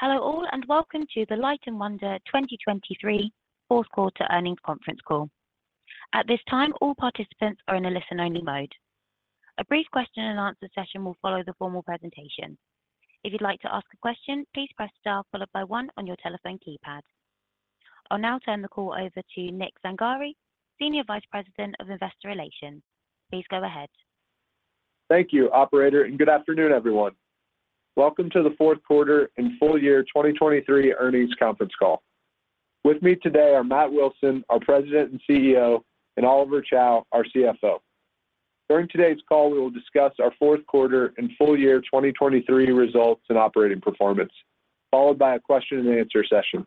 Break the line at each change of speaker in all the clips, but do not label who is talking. Hello all and welcome to the Light & Wonder 2023 Fourth Quarter Earnings Conference call. At this time, all participants are in a listen-only mode. A brief question-and-answer session will follow the formal presentation. If you'd like to ask a question, please press star followed by one on your telephone keypad. I'll now turn the call over to Nick Zangari, Senior Vice President of Investor Relations. Please go ahead.
Thank you, Operator, and good afternoon, everyone. Welcome to the Fourth Quarter and Full Year 2023 Earnings Conference call. With me today are Matt Wilson, our President and CEO, and Oliver Chow, our CFO. During today's call, we will discuss our Fourth Quarter and Full Year 2023 results and operating performance, followed by a question-and-answer session.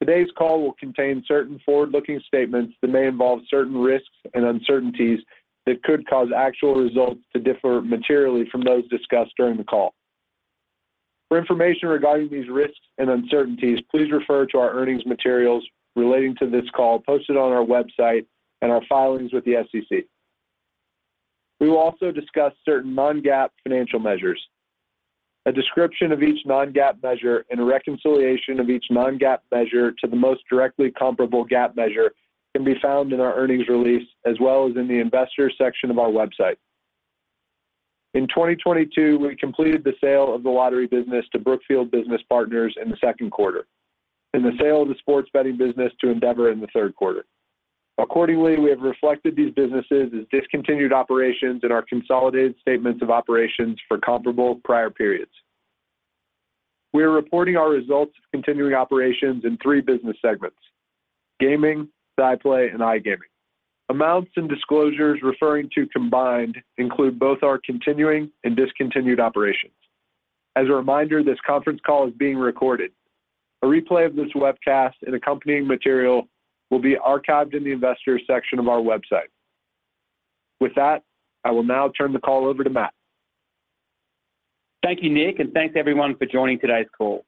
Today's call will contain certain forward-looking statements that may involve certain risks and uncertainties that could cause actual results to differ materially from those discussed during the call. For information regarding these risks and uncertainties, please refer to our earnings materials relating to this call posted on our website and our filings with the SEC. We will also discuss certain non-GAAP financial measures. A description of each non-GAAP measure and a reconciliation of each non-GAAP measure to the most directly comparable GAAP measure can be found in our earnings release as well as in the investors section of our website. In 2022, we completed the sale of the lottery business to Brookfield Business Partners in the second quarter and the sale of the sports betting business to Endeavor in the third quarter. Accordingly, we have reflected these businesses as discontinued operations in our consolidated statements of operations for comparable prior periods. We are reporting our results of continuing operations in three business segments: gaming, SciPlay, and iGaming. Amounts and disclosures referring to combined include both our continuing and discontinued operations. As a reminder, this conference call is being recorded. A replay of this webcast and accompanying material will be archived in the investors section of our website. With that, I will now turn the call over to Matt.
Thank you, Nick, and thanks everyone for joining today's call.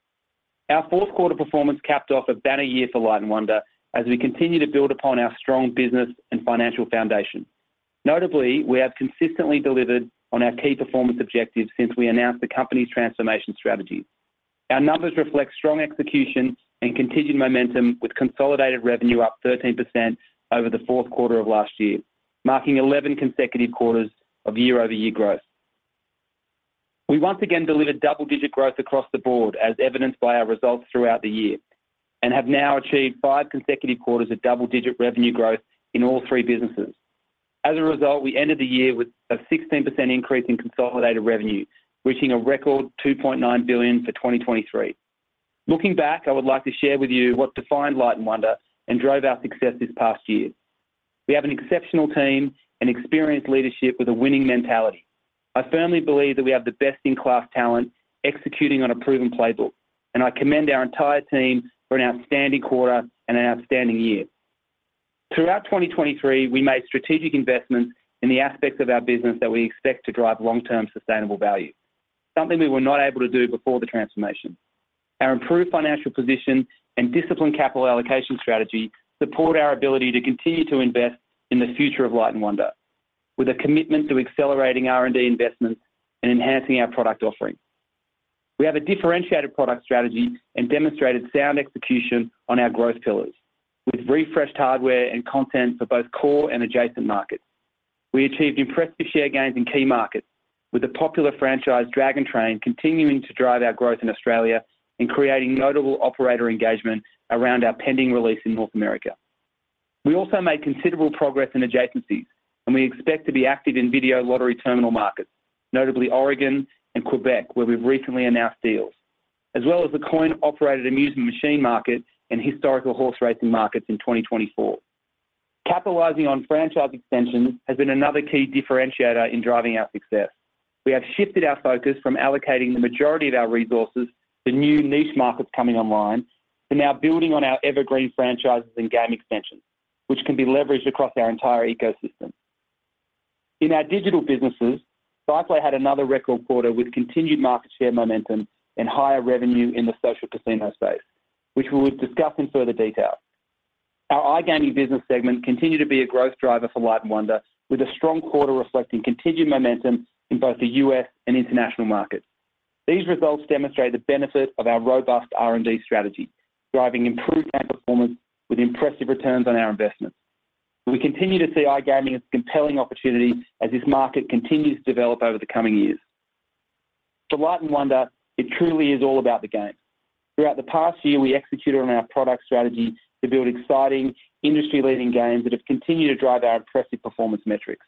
Our Fourth Quarter performance capped off a better year for Light & Wonder as we continue to build upon our strong business and financial foundation. Notably, we have consistently delivered on our key performance objectives since we announced the company's transformation strategies. Our numbers reflect strong execution and continued momentum with consolidated revenue up 13% over the Fourth Quarter of last year, marking 11 consecutive quarters of year-over-year growth. We once again delivered double-digit growth across the board, as evidenced by our results throughout the year, and have now achieved five consecutive quarters of double-digit revenue growth in all three businesses. As a result, we ended the year with a 16% increase in consolidated revenue, reaching a record $2.9 billion for 2023. Looking back, I would like to share with you what defined Light & Wonder and drove our success this past year. We have an exceptional team and experienced leadership with a winning mentality. I firmly believe that we have the best-in-class talent executing on a proven playbook, and I commend our entire team for an outstanding quarter and an outstanding year. Throughout 2023, we made strategic investments in the aspects of our business that we expect to drive long-term sustainable value, something we were not able to do before the transformation. Our improved financial position and disciplined capital allocation strategy support our ability to continue to invest in the future of Light & Wonder, with a commitment to accelerating R&D investments and enhancing our product offering. We have a differentiated product strategy and demonstrated sound execution on our growth pillars, with refreshed hardware and content for both core and adjacent markets. We achieved impressive share gains in key markets, with the popular franchise Dragon Train continuing to drive our growth in Australia and creating notable operator engagement around our pending release in North America. We also made considerable progress in adjacencies, and we expect to be active in video lottery terminal markets, notably Oregon and Quebec, where we've recently announced deals, as well as the coin-operated amusement machine market and historical horse racing markets in 2024. Capitalizing on franchise extensions has been another key differentiator in driving our success. We have shifted our focus from allocating the majority of our resources to new niche markets coming online to now building on our evergreen franchises and game extensions, which can be leveraged across our entire ecosystem. In our digital businesses, SciPlay had another record quarter with continued market share momentum and higher revenue in the social casino space, which we will discuss in further detail. Our iGaming business segment continued to be a growth driver for Light & Wonder, with a strong quarter reflecting continued momentum in both the U.S. and international markets. These results demonstrate the benefit of our robust R&D strategy, driving improved game performance with impressive returns on our investments. We continue to see iGaming as a compelling opportunity as this market continues to develop over the coming years. For Light & Wonder, it truly is all about the games. Throughout the past year, we executed on our product strategy to build exciting, industry-leading games that have continued to drive our impressive performance metrics.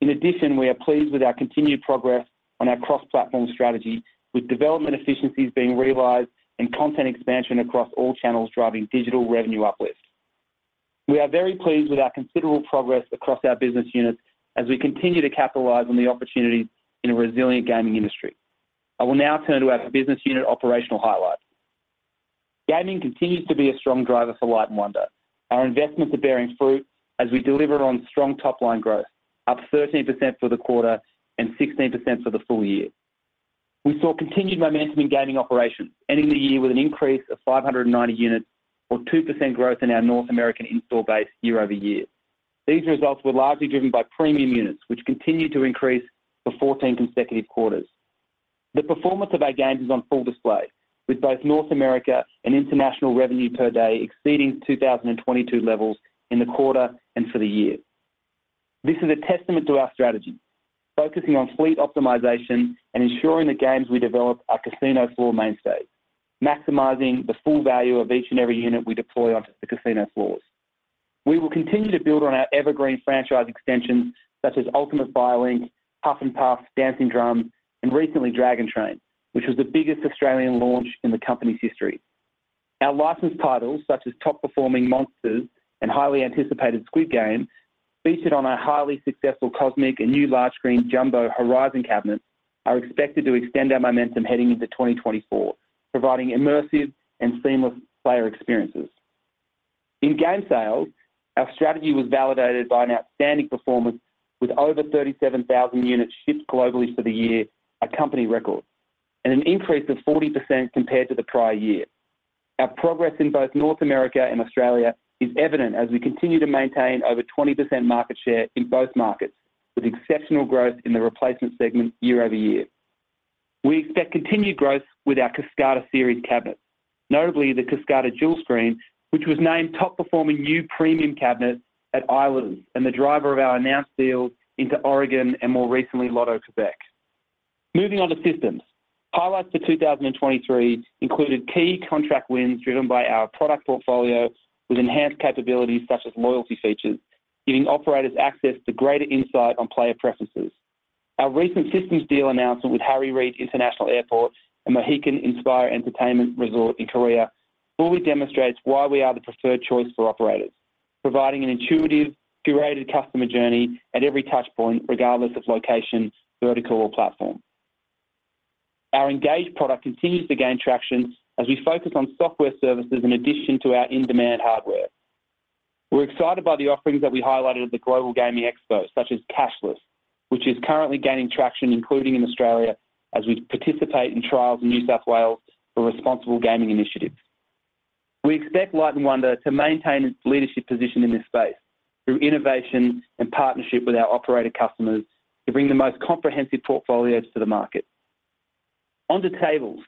In addition, we are pleased with our continued progress on our cross-platform strategy, with development efficiencies being realized and content expansion across all channels driving digital revenue uplift. We are very pleased with our considerable progress across our business units as we continue to capitalize on the opportunities in a resilient gaming industry. I will now turn to our business unit operational highlights. Gaming continues to be a strong driver for Light & Wonder. Our investments are bearing fruit as we deliver on strong top-line growth, up 13% for the quarter and 16% for the full year. We saw continued momentum in gaming operations, ending the year with an increase of 590 units, or 2% growth in our North American in-store base year over year. These results were largely driven by premium units, which continued to increase for 14 consecutive quarters. The performance of our games is on full display, with both North America and international revenue per day exceeding 2022 levels in the quarter and for the year. This is a testament to our strategy, focusing on fleet optimization and ensuring the games we develop are casino-floor mainstays, maximizing the full value of each and every unit we deploy onto the casino floors. We will continue to build on our evergreen franchise extensions such as Ultimate Fire Link, Huff N' Puff, Dancing Drums, and recently Dragon Train, which was the biggest Australian launch in the company's history. Our licensed titles such as top performing Monsters and highly anticipated Squid Game, featured on our highly successful Cosmic and new large-screen Jumbo Horizon cabinet, are expected to extend our momentum heading into 2024, providing immersive and seamless player experiences. In game sales, our strategy was validated by an outstanding performance with over 37,000 units shipped globally for the year, a company record, and an increase of 40% compared to the prior year. Our progress in both North America and Australia is evident as we continue to maintain over 20% market share in both markets, with exceptional growth in the replacement segment year over year. We expect continued growth with our Kascada Series cabinet, notably the Kascada Jewel Screen, which was named top performing New Premium Cabinet at Eilers and the driver of our announced deals into Oregon and more recently Loto-Québec. Moving on to systems, highlights for 2023 included key contract wins driven by our product portfolio with enhanced capabilities such as loyalty features, giving operators access to greater insight on player preferences. Our recent systems deal announcement with Harry Reid International Airport and Mohegan Inspire Entertainment Resort in Korea fully demonstrates why we are the preferred choice for operators, providing an intuitive, curated customer journey at every touchpoint regardless of location, vertical, or platform. Our Engage product continues to gain traction as we focus on software services in addition to our in-demand hardware. We're excited by the offerings that we highlighted at the Global Gaming Expo, such as Cashless, which is currently gaining traction including in Australia as we participate in trials in New South Wales for responsible gaming initiatives. We expect Light & Wonder to maintain its leadership position in this space through innovation and partnership with our operator customers to bring the most comprehensive portfolios to the market. Onto tables,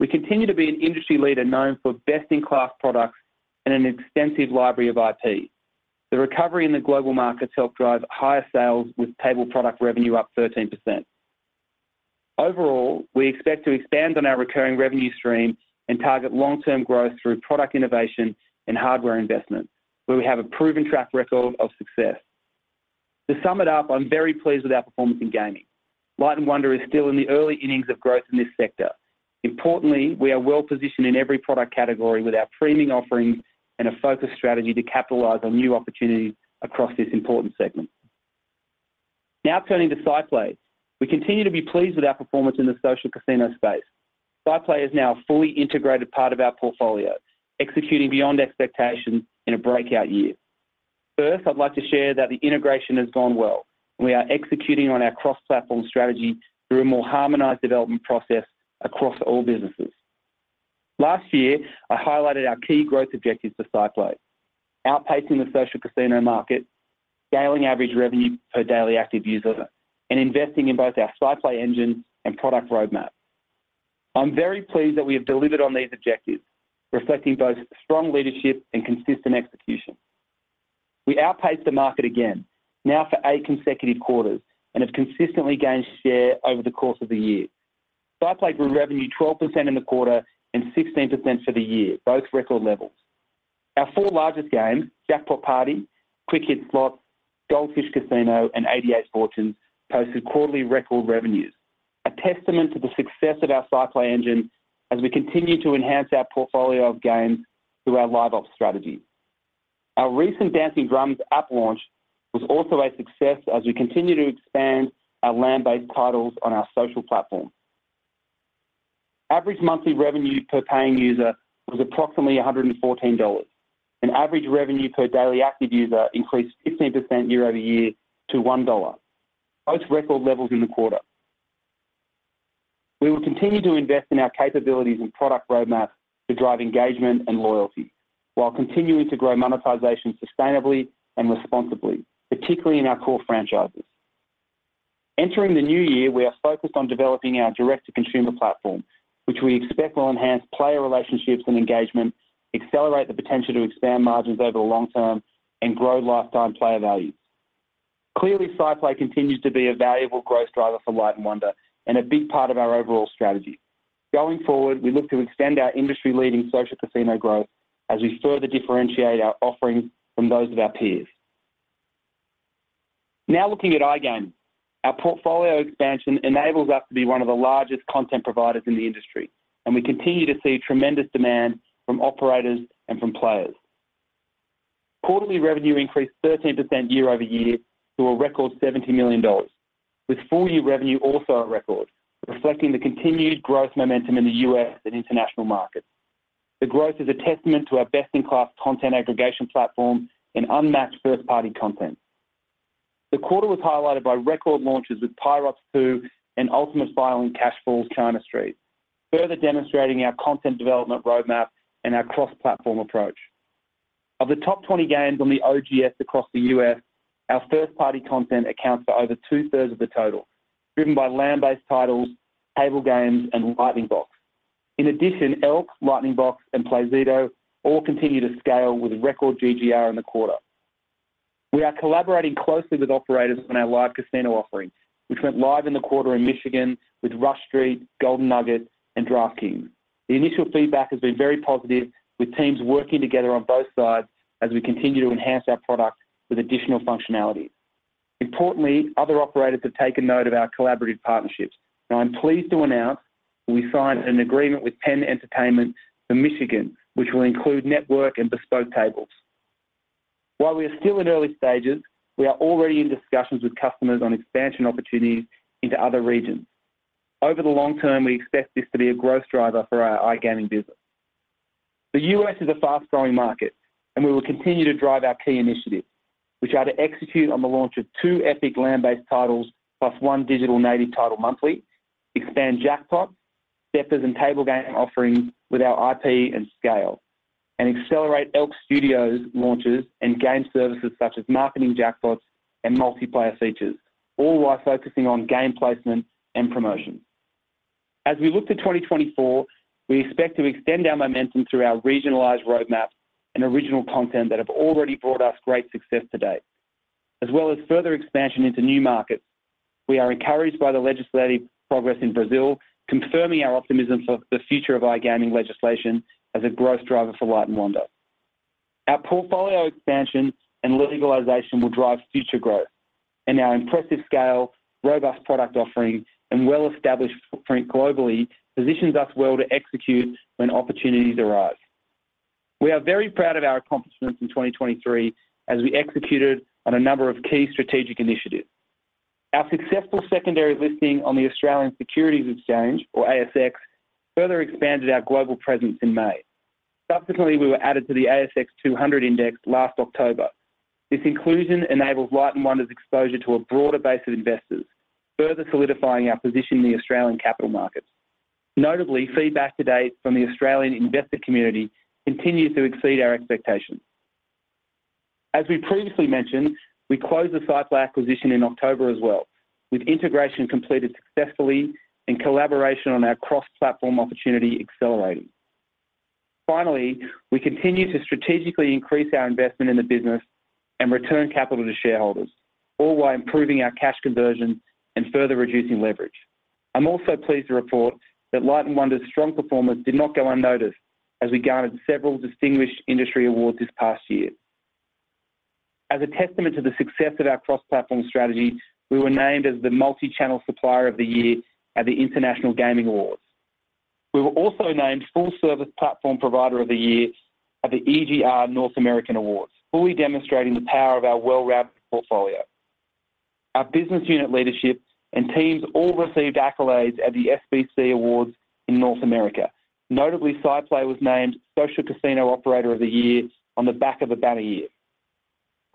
we continue to be an industry leader known for best-in-class products and an extensive library of IP. The recovery in the global markets helped drive higher sales with table product revenue up 13%. Overall, we expect to expand on our recurring revenue stream and target long-term growth through product innovation and hardware investments, where we have a proven track record of success. To sum it up, I'm very pleased with our performance in gaming. Light & Wonder is still in the early innings of growth in this sector. Importantly, we are well-positioned in every product category with our premium offerings and a focused strategy to capitalize on new opportunities across this important segment. Now turning to SciPlay, we continue to be pleased with our performance in the social casino space. SciPlay is now a fully integrated part of our portfolio, executing beyond expectations in a breakout year. First, I'd like to share that the integration has gone well, and we are executing on our cross-platform strategy through a more harmonized development process across all businesses. Last year, I highlighted our key growth objectives for SciPlay: outpacing the social casino market, scaling average revenue per daily active user, and investing in both our SciPlay engine and product roadmap. I'm very pleased that we have delivered on these objectives, reflecting both strong leadership and consistent execution. We outpaced the market again, now for eight consecutive quarters, and have consistently gained share over the course of the year. SciPlay grew revenue 12% in the quarter and 16% for the year, both record levels. Our four largest games, Jackpot Party, Quick Hit Slots, Gold Fish Casino, and 88 Fortunes, posted quarterly record revenues, a testament to the success of our SciPlay engine as we continue to enhance our portfolio of games through our live-ops strategy. Our recent Dancing Drums app launch was also a success as we continue to expand our land-based titles on our social platform. Average monthly revenue per paying user was approximately $114, and average revenue per daily active user increased 15% year-over-year to $1, both record levels in the quarter. We will continue to invest in our capabilities and product roadmap to drive engagement and loyalty while continuing to grow monetization sustainably and responsibly, particularly in our core franchises. Entering the new year, we are focused on developing our direct-to-consumer platform, which we expect will enhance player relationships and engagement, accelerate the potential to expand margins over the long term, and grow lifetime player values. Clearly, SciPlay continues to be a valuable growth driver for Light & Wonder and a big part of our overall strategy. Going forward, we look to extend our industry-leading social casino growth as we further differentiate our offerings from those of our peers. Now looking at iGaming, our portfolio expansion enables us to be one of the largest content providers in the industry, and we continue to see tremendous demand from operators and from players. Quarterly revenue increased 13% year over year to a record $70 million, with full-year revenue also at record, reflecting the continued growth momentum in the U.S. and international markets. The growth is a testament to our best-in-class content aggregation platform and unmatched first-party content. The quarter was highlighted by record launches with Pirots 2 and Ultimate Fire Link Cash Falls: China Street, further demonstrating our content development roadmap and our cross-platform approach. Of the top 20 games on the OGS across the U.S., our first-party content accounts for over two-thirds of the total, driven by land-based titles, table games, and Lightning Box. In addition, Elk, Lightning Box, and Playzido all continue to scale with record GGR in the quarter. We are collaborating closely with operators on our live casino offerings, which went live in the quarter in Michigan with Rush Street, Golden Nugget, and DraftKings. The initial feedback has been very positive, with teams working together on both sides as we continue to enhance our product with additional functionalities. Importantly, other operators have taken note of our collaborative partnerships, and I'm pleased to announce we signed an agreement with Penn Entertainment for Michigan, which will include network and bespoke tables. While we are still in early stages, we are already in discussions with customers on expansion opportunities into other regions. Over the long term, we expect this to be a growth driver for our iGaming business. The U.S. is a fast-growing market, and we will continue to drive our key initiatives, which are to execute on the launch of two epic land-based titles plus one digital native title monthly, expand Jackpots, Steppers, and table game offerings with our IP and scale, and accelerate Elk Studios' launches and game services such as marketing Jackpots and multiplayer features, all while focusing on game placement and promotion. As we look to 2024, we expect to extend our momentum through our regionalized roadmap and original content that have already brought us great success to date. As well as further expansion into new markets, we are encouraged by the legislative progress in Brazil, confirming our optimism for the future of iGaming legislation as a growth driver for Light & Wonder. Our portfolio expansion and legalization will drive future growth, and our impressive scale, robust product offering, and well-established footprint globally positions us well to execute when opportunities arise. We are very proud of our accomplishments in 2023 as we executed on a number of key strategic initiatives. Our successful secondary listing on the Australian Securities Exchange, or ASX, further expanded our global presence in May. Subsequently, we were added to the ASX 200 Index last October. This inclusion enables Light & Wonder's exposure to a broader base of investors, further solidifying our position in the Australian capital markets. Notably, feedback to date from the Australian investor community continues to exceed our expectations. As we previously mentioned, we closed the SciPlay acquisition in October as well, with integration completed successfully and collaboration on our cross-platform opportunity accelerating. Finally, we continue to strategically increase our investment in the business and return capital to shareholders, all while improving our cash conversion and further reducing leverage. I'm also pleased to report that Light & Wonder's strong performance did not go unnoticed as we garnered several distinguished industry awards this past year. As a testament to the success of our cross-platform strategy, we were named as the multi-channel supplier of the year at the International Gaming Awards. We were also named full-service platform provider of the year at the EGR North American Awards, fully demonstrating the power of our well-rounded portfolio. Our business unit leadership and teams all received accolades at the SBC Awards in North America. Notably, SciPlay was named social casino operator of the year on the back of a banner year.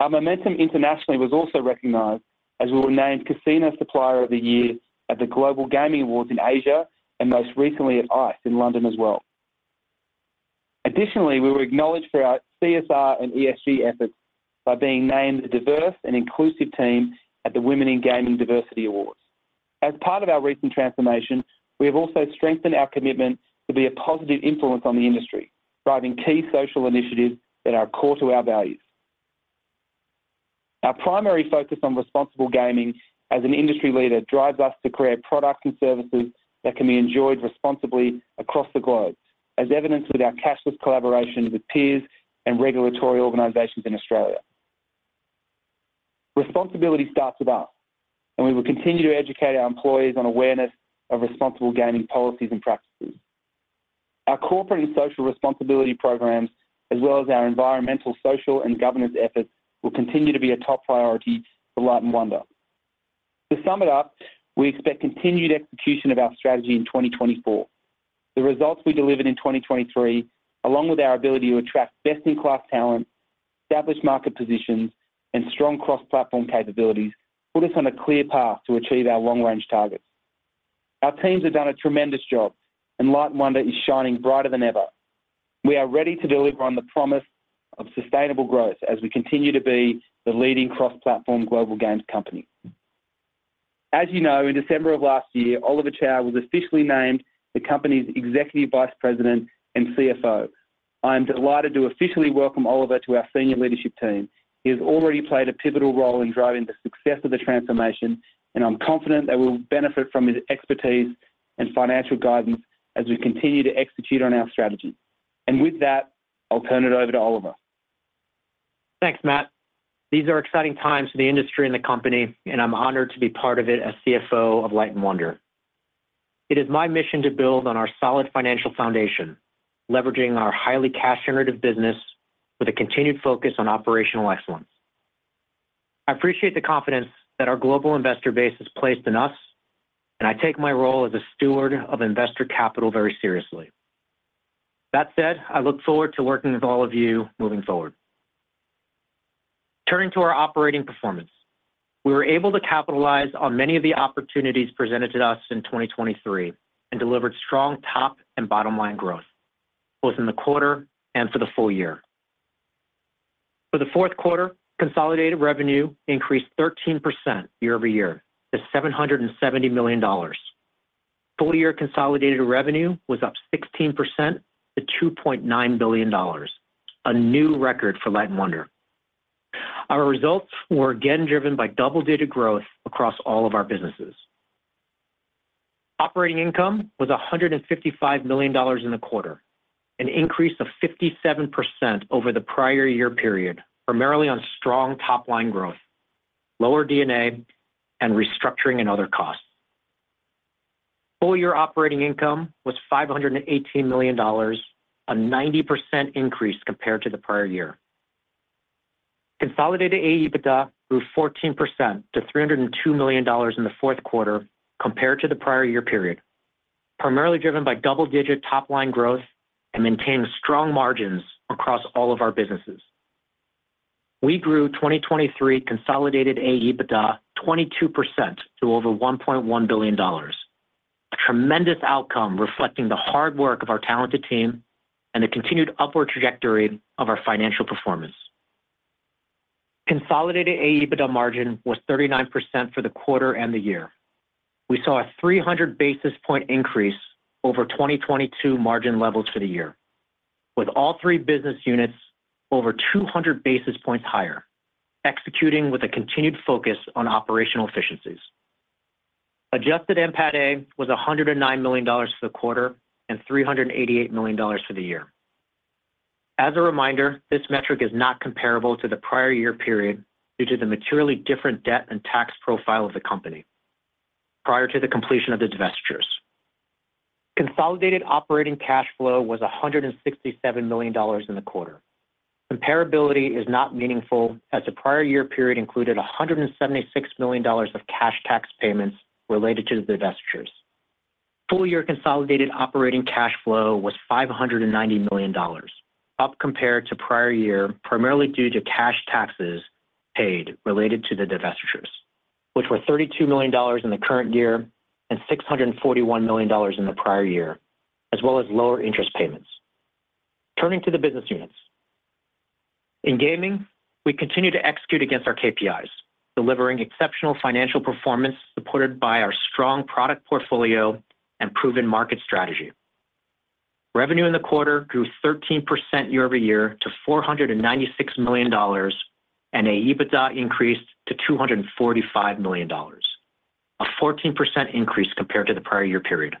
Our momentum internationally was also recognized as we were named casino supplier of the year at the Global Gaming Awards in Asia and most recently at ICE in London as well. Additionally, we were acknowledged for our CSR and ESG efforts by being named the diverse and inclusive team at the Women in Gaming Diversity Awards. As part of our recent transformation, we have also strengthened our commitment to be a positive influence on the industry, driving key social initiatives that are core to our values. Our primary focus on responsible gaming as an industry leader drives us to create products and services that can be enjoyed responsibly across the globe, as evidenced with our cashless collaboration with peers and regulatory organizations in Australia. Responsibility starts with us, and we will continue to educate our employees on awareness of responsible gaming policies and practices. Our corporate and social responsibility programs, as well as our environmental, social, and governance efforts, will continue to be a top priority for Light & Wonder. To sum it up, we expect continued execution of our strategy in 2024. The results we delivered in 2023, along with our ability to attract best-in-class talent, establish market positions, and strong cross-platform capabilities, put us on a clear path to achieve our long-range targets. Our teams have done a tremendous job, and Light & Wonder is shining brighter than ever. We are ready to deliver on the promise of sustainable growth as we continue to be the leading cross-platform global games company. As you know, in December of last year, Oliver Chow was officially named the company's Executive Vice President and CFO. I am delighted to officially welcome Oliver to our senior leadership team. He has already played a pivotal role in driving the success of the transformation, and I'm confident that we will benefit from his expertise and financial guidance as we continue to execute on our strategy. And with that, I'll turn it over to Oliver.
Thanks, Matt. These are exciting times for the industry and the company, and I'm honored to be part of it as CFO of Light & Wonder. It is my mission to build on our solid financial foundation, leveraging our highly cash-generative business with a continued focus on operational excellence. I appreciate the confidence that our global investor base has placed in us, and I take my role as a steward of investor capital very seriously. That said, I look forward to working with all of you moving forward. Turning to our operating performance, we were able to capitalize on many of the opportunities presented to us in 2023 and delivered strong top and bottom-line growth, both in the quarter and for the full year. For the fourth quarter, consolidated revenue increased 13% year over year to $770 million. Full-year consolidated revenue was up 16% to $2.9 billion, a new record for Light & Wonder. Our results were again driven by double-digit growth across all of our businesses. Operating income was $155 million in the quarter, an increase of 57% over the prior year period, primarily on strong top-line growth, lower D&A, and restructuring and other costs. Full-year operating income was $518 million, a 90% increase compared to the prior year. Consolidated AEBITDA grew 14% to $302 million in the fourth quarter compared to the prior year period, primarily driven by double-digit top-line growth and maintaining strong margins across all of our businesses. We grew 2023 consolidated AEBITDA 22% to over $1.1 billion, a tremendous outcome reflecting the hard work of our talented team and the continued upward trajectory of our financial performance. Consolidated AEBITDA margin was 39% for the quarter and the year. We saw a 300 basis point increase over 2022 margin levels for the year, with all three business units over 200 basis points higher, executing with a continued focus on operational efficiencies. Adjusted NPATA was $109 million for the quarter and $388 million for the year. As a reminder, this metric is not comparable to the prior year period due to the materially different debt and tax profile of the company prior to the completion of the divestitures. Consolidated operating cash flow was $167 million in the quarter. Comparability is not meaningful as the prior year period included $176 million of cash tax payments related to the divestitures. Full-year consolidated operating cash flow was $590 million, up compared to prior year primarily due to cash taxes paid related to the divestitures, which were $32 million in the current year and $641 million in the prior year, as well as lower interest payments. Turning to the business units. In gaming, we continue to execute against our KPIs, delivering exceptional financial performance supported by our strong product portfolio and proven market strategy. Revenue in the quarter grew 13% year-over-year to $496 million, and AEBITDA increased to $245 million, a 14% increase compared to the prior year period.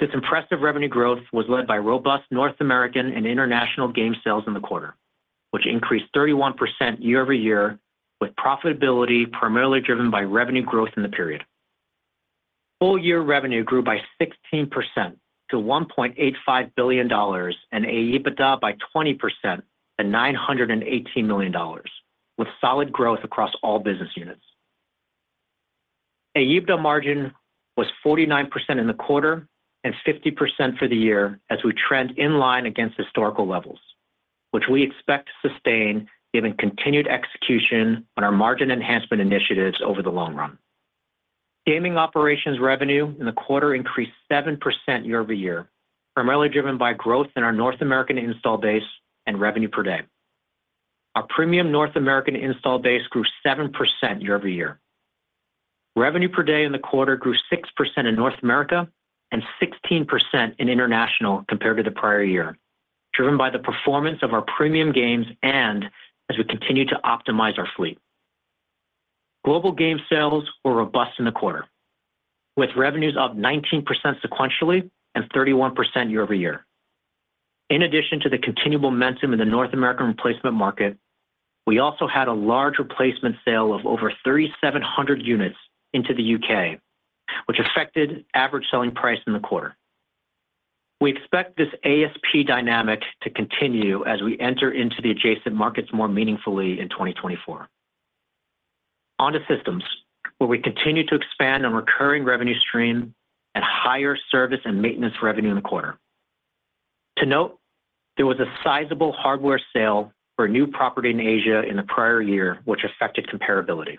This impressive revenue growth was led by robust North American and international game sales in the quarter, which increased 31% year-over-year with profitability primarily driven by revenue growth in the period. Full-year revenue grew by 16% to $1.85 billion and AEBITDA by 20% to $918 million, with solid growth across all business units. AEBITDA margin was 49% in the quarter and 50% for the year as we trend in line against historical levels, which we expect to sustain given continued execution on our margin enhancement initiatives over the long run. Gaming operations revenue in the quarter increased 7% year-over-year, primarily driven by growth in our North American install base and revenue per day. Our premium North American install base grew 7% year-over-year. Revenue per day in the quarter grew 6% in North America and 16% in international compared to the prior year, driven by the performance of our premium games and as we continue to optimize our fleet. Global game sales were robust in the quarter, with revenues up 19% sequentially and 31% year-over-year. In addition to the continual momentum in the North American replacement market, we also had a large replacement sale of over 3,700 units into the U.K., which affected average selling price in the quarter. We expect this ASP dynamic to continue as we enter into the adjacent markets more meaningfully in 2024. Gaming Systems, where we continue to expand on recurring revenue stream and higher service and maintenance revenue in the quarter. To note, there was a sizable hardware sale for new property in Asia in the prior year, which affected comparability.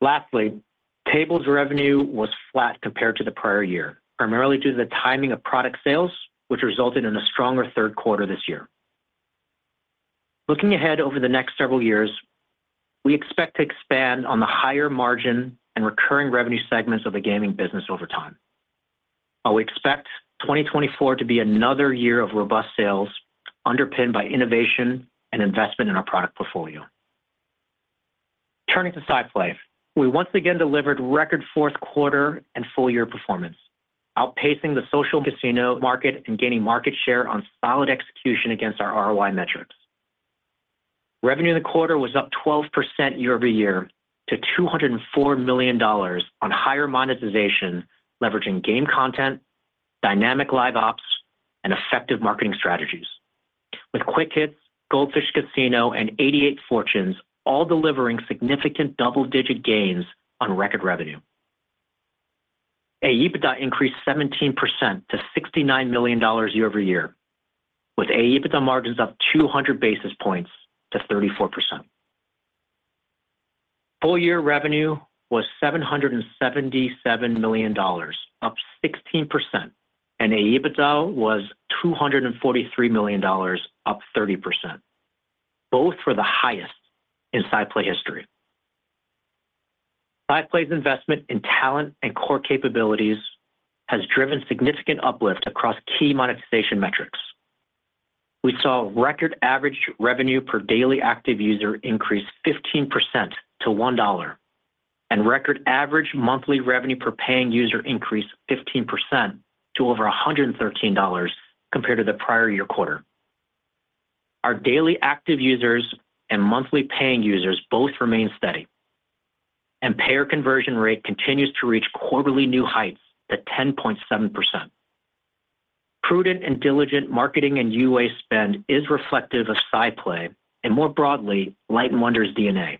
Lastly, tables revenue was flat compared to the prior year, primarily due to the timing of product sales, which resulted in a stronger third quarter this year. Looking ahead over the next several years, we expect to expand on the higher margin and recurring revenue segments of the gaming business over time, while we expect 2024 to be another year of robust sales underpinned by innovation and investment in our product portfolio. Turning to SciPlay, we once again delivered record fourth quarter and full-year performance, outpacing the social casino market and gaining market share on solid execution against our ROI metrics. Revenue in the quarter was up 12% year over year to $204 million on higher monetization, leveraging game content, dynamic live ops, and effective marketing strategies, with Quick Hits, Gold Fish Casino, and 88 Fortunes all delivering significant double-digit gains on record revenue. AEBITDA increased 17% to $69 million year over year, with AEBITDA margins up 200 basis points to 34%. Full-year revenue was $777 million, up 16%, and AEBITDA was $243 million, up 30%, both the highest in SciPlay history. SciPlay's investment in talent and core capabilities has driven significant uplift across key monetization metrics. We saw record average revenue per daily active user increase 15% to $1, and record average monthly revenue per paying user increase 15% to over $113 compared to the prior year quarter. Our daily active users and monthly paying users both remain steady, and payer conversion rate continues to reach quarterly new heights to 10.7%. Prudent and diligent marketing and UA spend is reflective of SciPlay and, more broadly, Light & Wonder's DNA.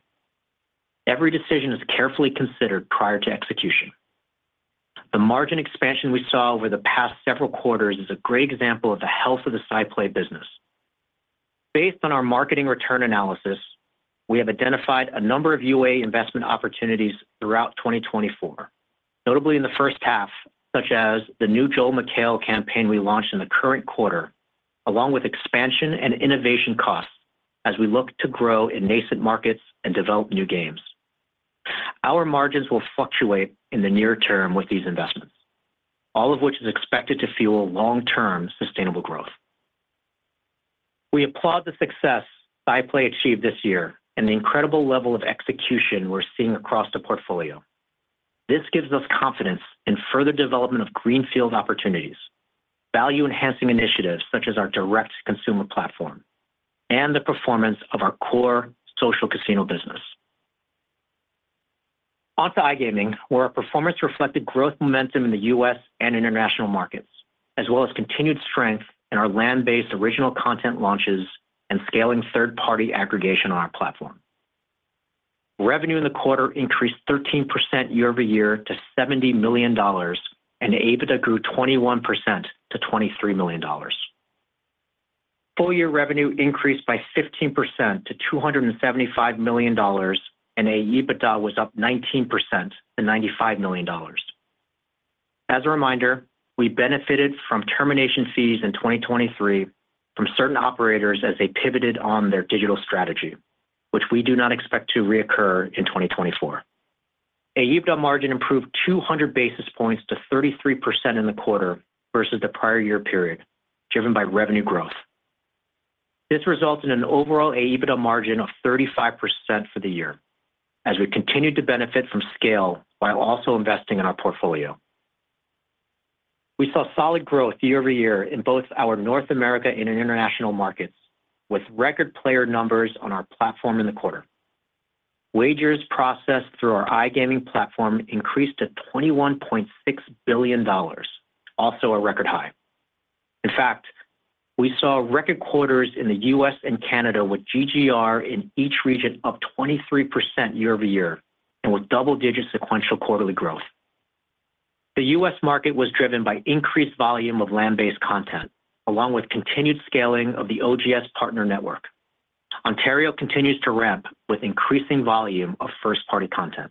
Every decision is carefully considered prior to execution. The margin expansion we saw over the past several quarters is a great example of the health of the SciPlay business. Based on our marketing return analysis, we have identified a number of UA investment opportunities throughout 2024, notably in the first half, such as the new Joel McHale campaign we launched in the current quarter, along with expansion and innovation costs as we look to grow in nascent markets and develop new games. Our margins will fluctuate in the near term with these investments, all of which is expected to fuel long-term sustainable growth. We applaud the success SciPlay achieved this year and the incredible level of execution we're seeing across the portfolio. This gives us confidence in further development of greenfield opportunities, value-enhancing initiatives such as our direct consumer platform, and the performance of our core social casino business. our iGaming, where our performance reflected growth momentum in the US and international markets, as well as continued strength in our land-based original content launches and scaling third-party aggregation on our platform. Revenue in the quarter increased 13% year-over-year to $70 million, and AEBITDA grew 21% to $23 million. Full-year revenue increased by 15% to $275 million, and AEBITDA was up 19% to $95 million. As a reminder, we benefited from termination fees in 2023 from certain operators as they pivoted on their digital strategy, which we do not expect to reoccur in 2024. AEBITDA margin improved 200 basis points to 33% in the quarter versus the prior year period, driven by revenue growth. This resulted in an overall AEBITDA margin of 35% for the year, as we continue to benefit from scale while also investing in our portfolio. We saw solid growth year-over-year in both our North America and international markets, with record player numbers on our platform in the quarter. Wagers processed through our iGaming platform increased to $21.6 billion, also a record high. In fact, we saw record quarters in the U.S. and Canada, with GGR in each region up 23% year-over-year and with double-digit sequential quarterly growth. The U.S. market was driven by increased volume of land-based content, along with continued scaling of the OGS partner network. Ontario continues to ramp, with increasing volume of first-party content.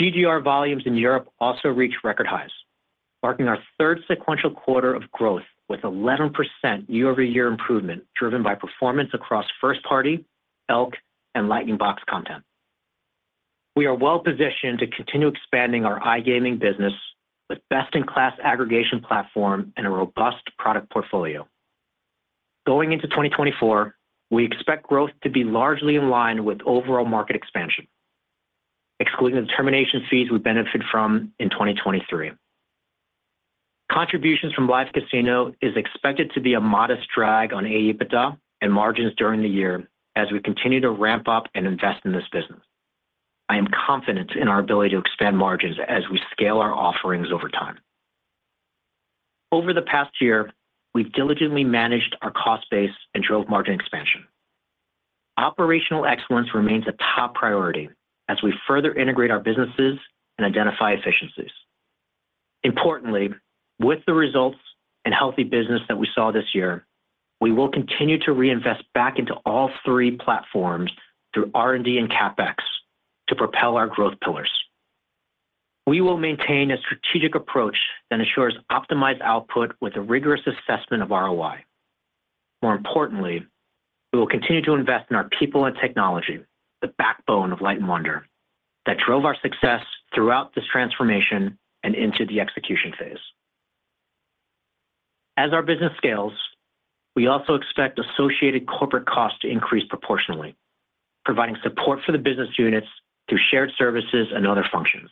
GGR volumes in Europe also reached record highs, marking our third sequential quarter of growth with 11% year-over-year improvement driven by performance across first-party, ELK, and Lightning Box content. We are well-positioned to continue expanding our iGaming business with best-in-class aggregation platform and a robust product portfolio. Going into 2024, we expect growth to be largely in line with overall market expansion, excluding the termination fees we benefited from in 2023. Contributions from Live Casino are expected to be a modest drag on AEBITDA and margins during the year as we continue to ramp up and invest in this business. I am confident in our ability to expand margins as we scale our offerings over time. Over the past year, we've diligently managed our cost base and drove margin expansion. Operational excellence remains a top priority as we further integrate our businesses and identify efficiencies. Importantly, with the results and healthy business that we saw this year, we will continue to reinvest back into all three platforms through R&D and CapEx to propel our growth pillars. We will maintain a strategic approach that ensures optimized output with a rigorous assessment of ROI. More importantly, we will continue to invest in our people and technology, the backbone of Light & Wonder, that drove our success throughout this transformation and into the execution phase. As our business scales, we also expect associated corporate costs to increase proportionally, providing support for the business units through shared services and other functions.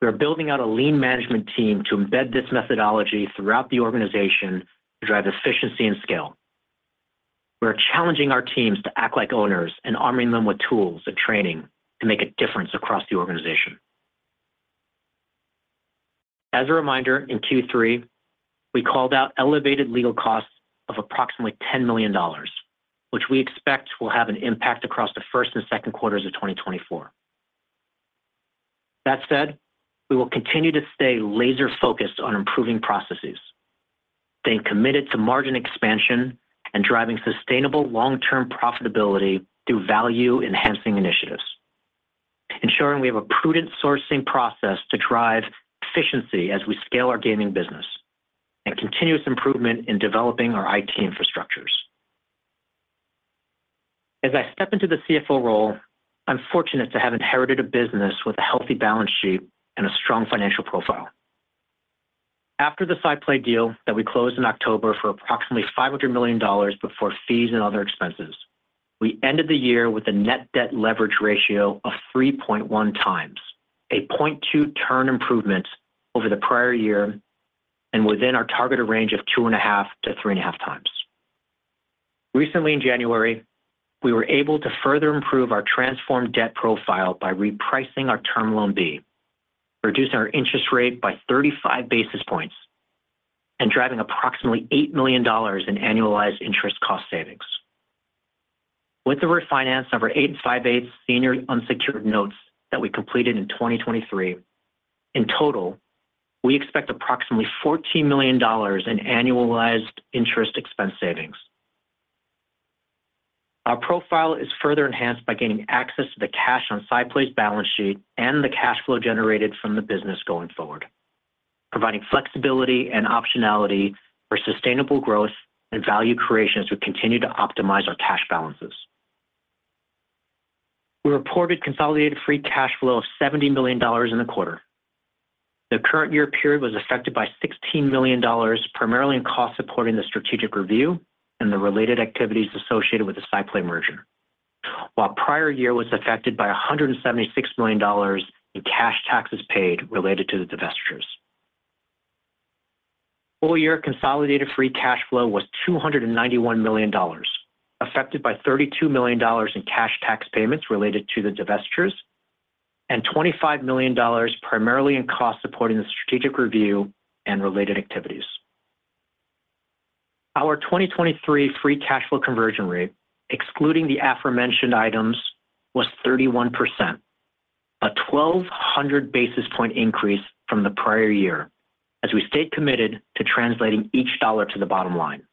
We are building out a lean management team to embed this methodology throughout the organization to drive efficiency and scale. We are challenging our teams to act like owners and arming them with tools and training to make a difference across the organization. As a reminder, in Q3, we called out elevated legal costs of approximately $10 million, which we expect will have an impact across the first and second quarters of 2024. That said, we will continue to stay laser-focused on improving processes, staying committed to margin expansion and driving sustainable long-term profitability through value-enhancing initiatives, ensuring we have a prudent sourcing process to drive efficiency as we scale our gaming business and continuous improvement in developing our IT infrastructures. As I step into the CFO role, I'm fortunate to have inherited a business with a healthy balance sheet and a strong financial profile. After the SciPlay deal that we closed in October for approximately $500 million before fees and other expenses, we ended the year with a net debt leverage ratio of 3.1 times, a 0.2-turn improvement over the prior year and within our targeted range of 2.5-3.5 times. Recently, in January, we were able to further improve our transformed debt profile by repricing our Term Loan B, reducing our interest rate by 35 basis points, and driving approximately $8 million in annualized interest cost savings. With the refinance of our 8.58% senior unsecured notes that we completed in 2023, in total, we expect approximately $14 million in annualized interest expense savings. Our profile is further enhanced by gaining access to the cash on SciPlay's balance sheet and the cash flow generated from the business going forward, providing flexibility and optionality for sustainable growth and value creation as we continue to optimize our cash balances. We reported consolidated free cash flow of $70 million in the quarter. The current year period was affected by $16 million, primarily in costs supporting the strategic review and the related activities associated with the SciPlay merger, while the prior year was affected by $176 million in cash taxes paid related to the divestitures. Full-year consolidated free cash flow was $291 million, affected by $32 million in cash tax payments related to the divestitures and $25 million primarily in costs supporting the strategic review and related activities. Our 2023 free cash flow conversion rate, excluding the aforementioned items, was 31%, a 1,200 basis point increase from the prior year as we stayed committed to translating each dollar to the bottom line.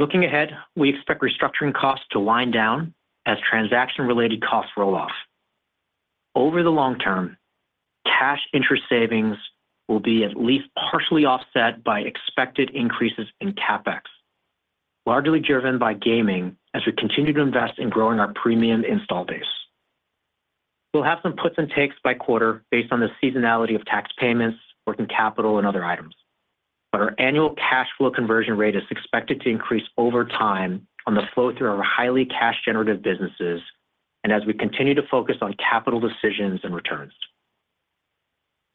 Looking ahead, we expect restructuring costs to wind down as transaction-related costs roll off. Over the long term, cash interest savings will be at least partially offset by expected increases in CapEx, largely driven by gaming as we continue to invest in growing our premium install base. We'll have some puts and takes by quarter based on the seasonality of tax payments, working capital, and other items, but our annual cash flow conversion rate is expected to increase over time on the flow through our highly cash-generative businesses and as we continue to focus on capital decisions and returns.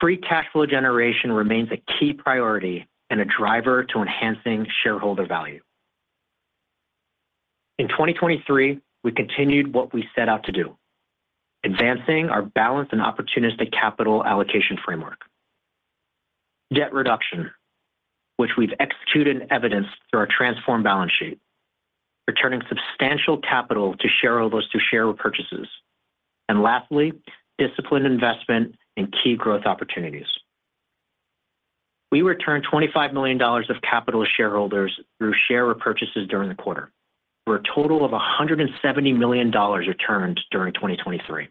Free cash flow generation remains a key priority and a driver to enhancing shareholder value. In 2023, we continued what we set out to do: advancing our balance and opportunistic capital allocation framework, debt reduction, which we've executed in evidence through our transformed balance sheet, returning substantial capital to shareholders through share repurchases, and lastly, disciplined investment in key growth opportunities. We returned $25 million of capital to shareholders through share repurchases during the quarter, for a total of $170 million returned during 2023.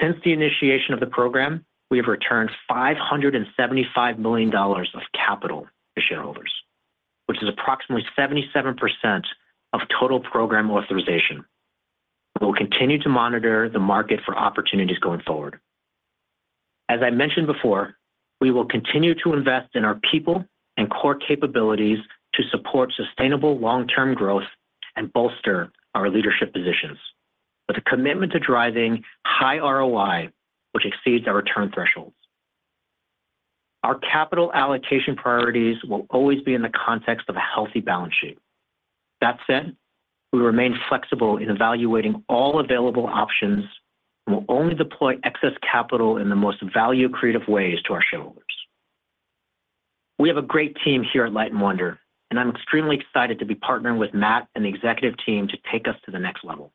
Since the initiation of the program, we have returned $575 million of capital to shareholders, which is approximately 77% of total program authorization. We will continue to monitor the market for opportunities going forward. As I mentioned before, we will continue to invest in our people and core capabilities to support sustainable long-term growth and bolster our leadership positions with a commitment to driving high ROI, which exceeds our return thresholds. Our capital allocation priorities will always be in the context of a healthy balance sheet. That said, we remain flexible in evaluating all available options and will only deploy excess capital in the most value-creative ways to our shareholders. We have a great team here at Light & Wonder, and I'm extremely excited to be partnering with Matt and the executive team to take us to the next level,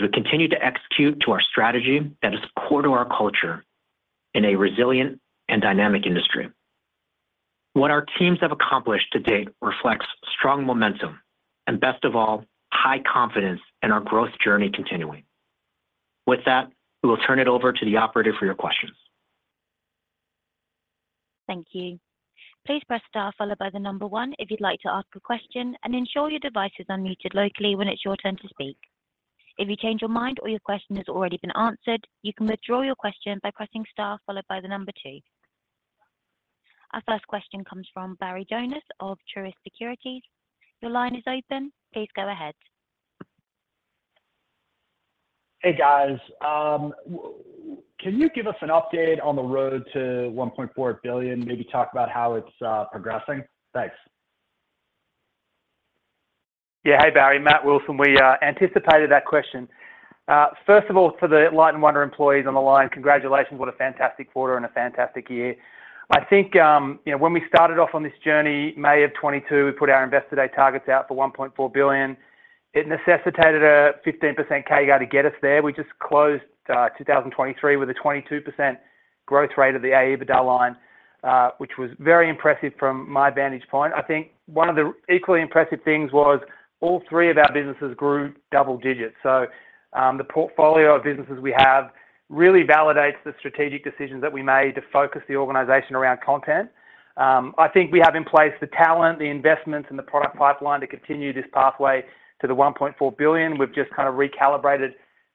as we continue to execute to our strategy that is core to our culture in a resilient and dynamic industry. What our teams have accomplished to date reflects strong momentum and, best of all, high confidence in our growth journey continuing. With that, we will turn it over to the operator for your questions.
Thank you. Please press star followed by one if you'd like to ask a question, and ensure your device is unmuted locally when it's your turn to speak. If you change your mind or your question has already been answered, you can withdraw your question by pressing star followed by two. Our first question comes from Barry Jonas of Truist Securities. Your line is open. Please go ahead.
Hey, guys. Can you give us an update on the road to $1.4 billion? Maybe talk about how it's progressing. Thanks.
Yeah. Hey, Barry. Matt Wilson, we anticipated that question. First of all, for the Light & Wonder employees on the line, congratulations. What a fantastic quarter and a fantastic year. I think when we started off on this journey, May of 2022, we put our investor day targets out for $1.4 billion. It necessitated a 15% CAGR to get us there. We just closed 2023 with a 22% growth rate of the AEBITDA line, which was very impressive from my vantage point. I think one of the equally impressive things was all three of our businesses grew double digits. So the portfolio of businesses we have really validates the strategic decisions that we made to focus the organization around content. I think we have in place the talent, the investments, and the product pipeline to continue this pathway to the $1.4 billion. We've just kind of recalibrated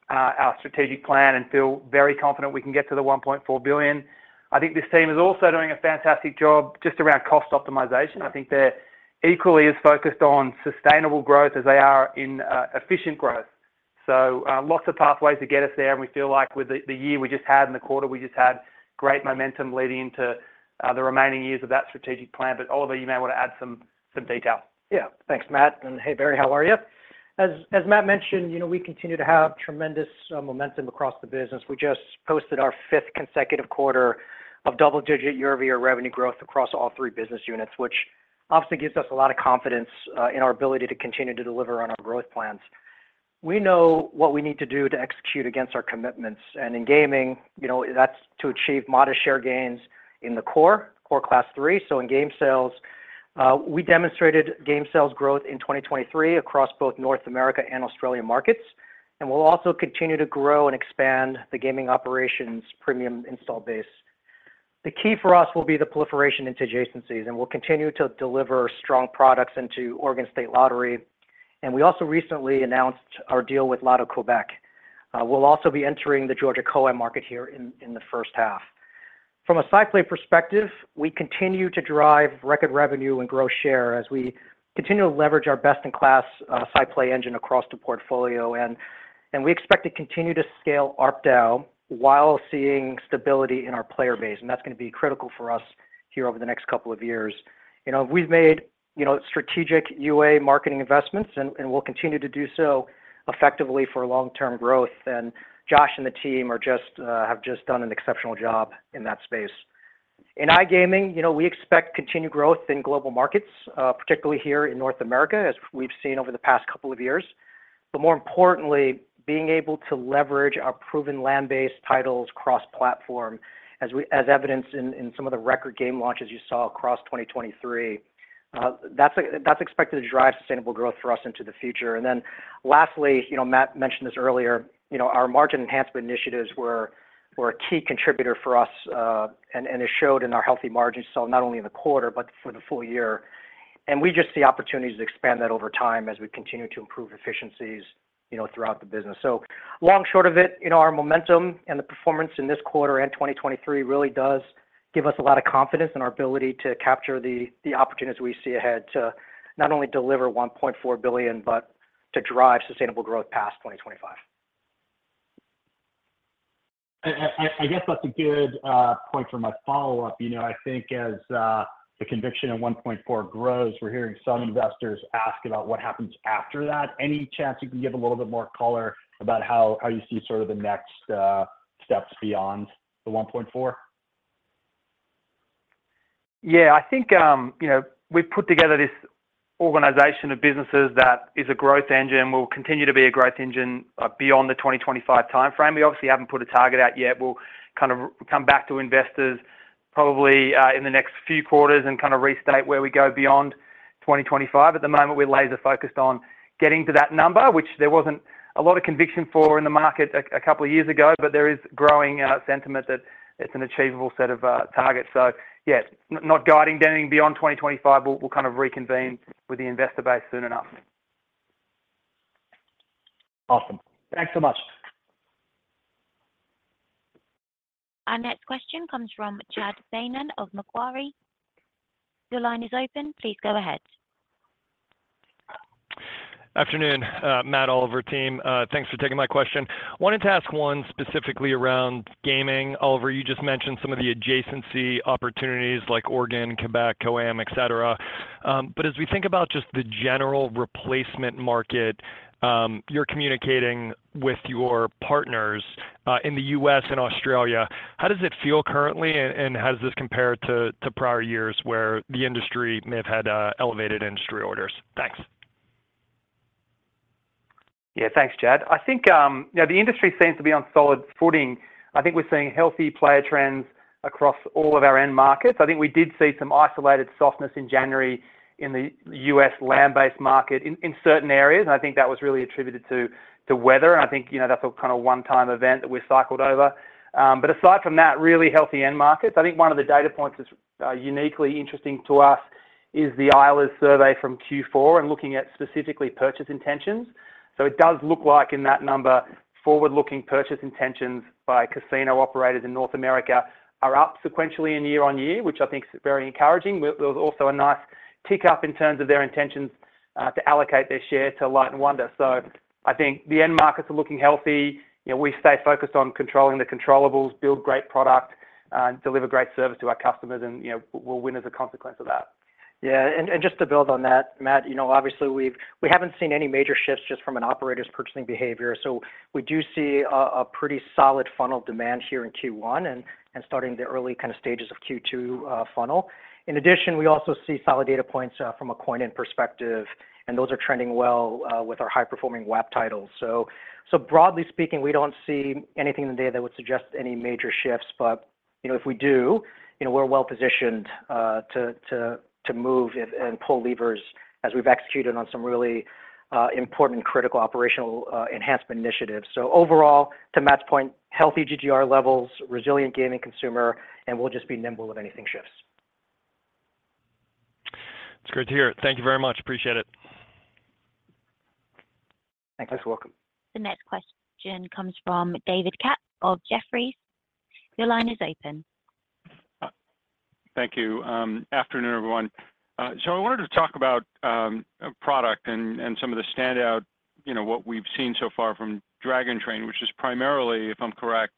our strategic plan and feel very confident we can get to the $1.4 billion. I think this team is also doing a fantastic job just around cost optimization. I think they're equally as focused on sustainable growth as they are in efficient growth. So lots of pathways to get us there. And we feel like with the year we just had and the quarter we just had, great momentum leading into the remaining years of that strategic plan. But Oliver, you may want to add some detail.
Yeah. Thanks, Matt. And hey, Barry, how are you? As Matt mentioned, we continue to have tremendous momentum across the business. We just posted our fifth consecutive quarter of double-digit year-over-year revenue growth across all three business units, which obviously gives us a lot of confidence in our ability to continue to deliver on our growth plans. We know what we need to do to execute against our commitments. And in gaming, that's to achieve modest share gains in the core, core Class 3. So in game sales, we demonstrated game sales growth in 2023 across both North America and Australia markets. And we'll also continue to grow and expand the gaming operations premium install base. The key for us will be the proliferation into adjacencies, and we'll continue to deliver strong products into Oregon State Lottery. And we also recently announced our deal with Loto-Québec. We'll also be entering the Georgia COAM market here in the first half. From a SciPlay perspective, we continue to drive record revenue and grow share as we continue to leverage our best-in-class SciPlay engine across the portfolio. We expect to continue to scale ARPDAU while seeing stability in our player base. That's going to be critical for us here over the next couple of years. We've made strategic UA marketing investments, and we'll continue to do so effectively for long-term growth. Josh and the team have just done an exceptional job in that space. In iGaming, we expect continued growth in global markets, particularly here in North America as we've seen over the past couple of years. But more importantly, being able to leverage our proven land-based titles cross-platform, as evidenced in some of the record game launches you saw across 2023, that's expected to drive sustainable growth for us into the future. Then lastly, Matt mentioned this earlier, our margin enhancement initiatives were a key contributor for us, and it showed in our healthy margins, so not only in the quarter but for the full year. We just see opportunities to expand that over time as we continue to improve efficiencies throughout the business. So, long story short, our momentum and the performance in this quarter and 2023 really does give us a lot of confidence in our ability to capture the opportunities we see ahead to not only deliver $1.4 billion but to drive sustainable growth past 2025.
I guess that's a good point for my follow-up. I think as the conviction in $1.4 grows, we're hearing some investors ask about what happens after that. Any chance you can give a little bit more color about how you see sort of the next steps beyond the $1.4?
Yeah. I think we've put together this organization of businesses that is a growth engine and will continue to be a growth engine beyond the 2025 timeframe. We obviously haven't put a target out yet. We'll kind of come back to investors probably in the next few quarters and kind of restate where we go beyond 2025. At the moment, we're laser-focused on getting to that number, which there wasn't a lot of conviction for in the market a couple of years ago, but there is growing sentiment that it's an achievable set of targets. So yeah, not guiding anything beyond 2025. We'll kind of reconvene with the investor base soon enough.
Awesome. Thanks so much.
Our next question comes from Chad Beynon of Macquarie. Your line is open. Please go ahead.
Afternoon, Matt, Oliver, team. Thanks for taking my question. Wanted to ask one specifically around gaming. Oliver, you just mentioned some of the adjacency opportunities like Oregon, Quebec, COAM, etc. But as we think about just the general replacement market, you're communicating with your partners in the U.S. and Australia. How does it feel currently, and how does this compare to prior years where the industry may have had elevated industry orders? Thanks.
Yeah. Thanks, Chad. I think the industry seems to be on solid footing. I think we're seeing healthy player trends across all of our end markets. I think we did see some isolated softness in January in the U.S. land-based market in certain areas. I think that was really attributed to weather. I think that's a kind of one-time event that we cycled over. But aside from that, really healthy end markets. I think one of the data points that's uniquely interesting to us is the Eilers Survey from Q4 and looking at specifically purchase intentions. So it does look like in that number, forward-looking purchase intentions by casino operators in North America are up sequentially and year-over-year, which I think is very encouraging. There was also a nice tick-up in terms of their intentions to allocate their share to Light & Wonder. I think the end markets are looking healthy. We stay focused on controlling the controllables, build great product, deliver great service to our customers, and we'll win as a consequence of that.
Yeah. And just to build on that, Matt, obviously, we haven't seen any major shifts just from an operator's purchasing behavior. So we do see a pretty solid funnel demand here in Q1 and starting the early kind of stages of Q2 funnel. In addition, we also see solid data points from a coin-in perspective, and those are trending well with our high-performing WAP titles. So broadly speaking, we don't see anything in the data that would suggest any major shifts. But if we do, we're well-positioned to move and pull levers as we've executed on some really important and critical operational enhancement initiatives. So overall, to Matt's point, healthy GGR levels, resilient gaming consumer, and we'll just be nimble if anything shifts.
It's great to hear. Thank you very much. Appreciate it.
Thanks.
You're welcome.
The next question comes from David Katz of Jefferies. Your line is open.
Thank you. Afternoon, everyone. So I wanted to talk about product and some of the standout what we've seen so far from Dragon Train, which is primarily, if I'm correct,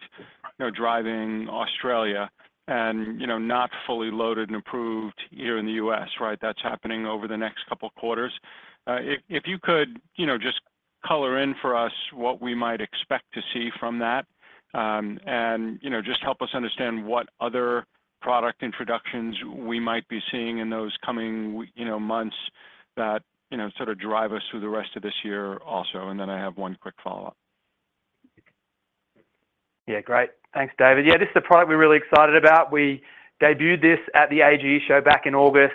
driving Australia and not fully loaded and approved here in the U.S. That's happening over the next couple of quarters. If you could just color in for us what we might expect to see from that and just help us understand what other product introductions we might be seeing in those coming months that sort of drive us through the rest of this year also. And then I have one quick follow-up.
Yeah. Great. Thanks, David. Yeah. This is a product we're really excited about. We debuted this at the AGE show back in August,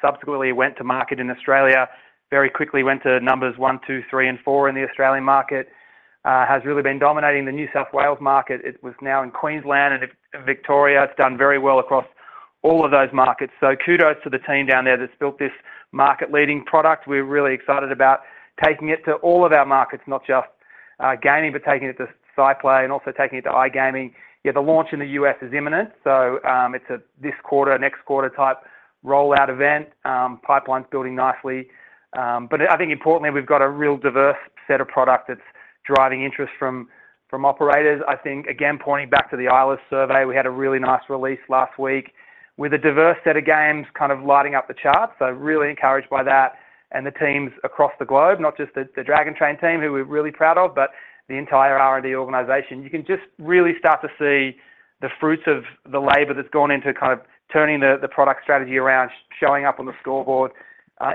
subsequently went to market in Australia, very quickly went to numbers 1, 2, 3, and 4 in the Australian market, has really been dominating the New South Wales market. It was now in Queensland and Victoria. It's done very well across all of those markets. So kudos to the team down there that's built this market-leading product. We're really excited about taking it to all of our markets, not just gaming, but taking it to SciPlay and also taking it to iGaming. The launch in the U.S. is imminent. So it's a this quarter, next quarter type rollout event, pipelines building nicely. But I think importantly, we've got a real diverse set of product that's driving interest from operators. I think, again, pointing back to the Eilers survey, we had a really nice release last week with a diverse set of games kind of lighting up the charts. So really encouraged by that and the teams across the globe, not just the Dragon Train team who we're really proud of, but the entire R&D organization. You can just really start to see the fruits of the labor that's gone into kind of turning the product strategy around, showing up on the scoreboard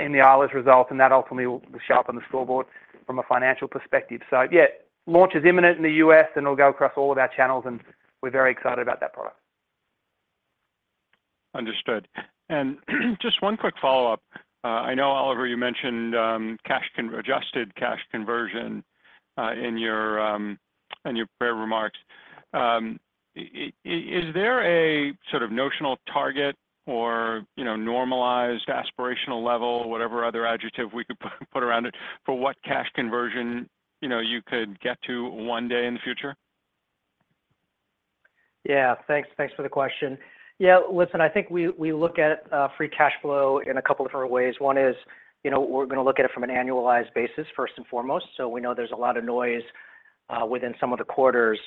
in the Eilers results, and that ultimately will show up on the scoreboard from a financial perspective. So yeah, launch is imminent in the U.S., and it'll go across all of our channels, and we're very excited about that product.
Understood. And just one quick follow-up. I know, Oliver, you mentioned adjusted cash conversion in your prepared remarks. Is there a sort of notional target or normalized aspirational level, whatever other adjective we could put around it, for what cash conversion you could get to one day in the future?
Yeah. Thanks for the question. Yeah. Listen, I think we look at free cash flow in a couple of different ways. One is we're going to look at it from an annualized basis, first and foremost. So we know there's a lot of noise within some of the quarters.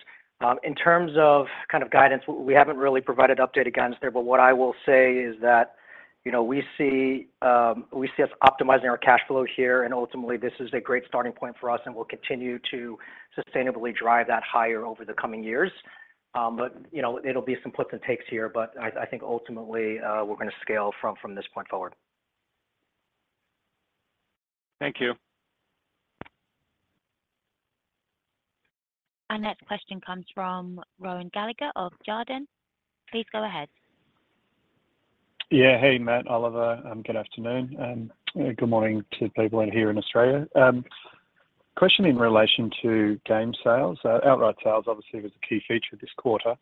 In terms of kind of guidance, we haven't really provided updated guidance there. But what I will say is that we see us optimizing our cash flow here, and ultimately, this is a great starting point for us, and we'll continue to sustainably drive that higher over the coming years. But it'll be some puts and takes here. But I think ultimately, we're going to scale from this point forward.
Thank you.
Our next question comes from Rohan Gallagher of Jarden. Please go ahead.
Yeah. Hey, Matt, Oliver. Good afternoon. Good morning to people here in Australia. Question in relation to game sales. Outright sales, obviously, was a key feature this quarter.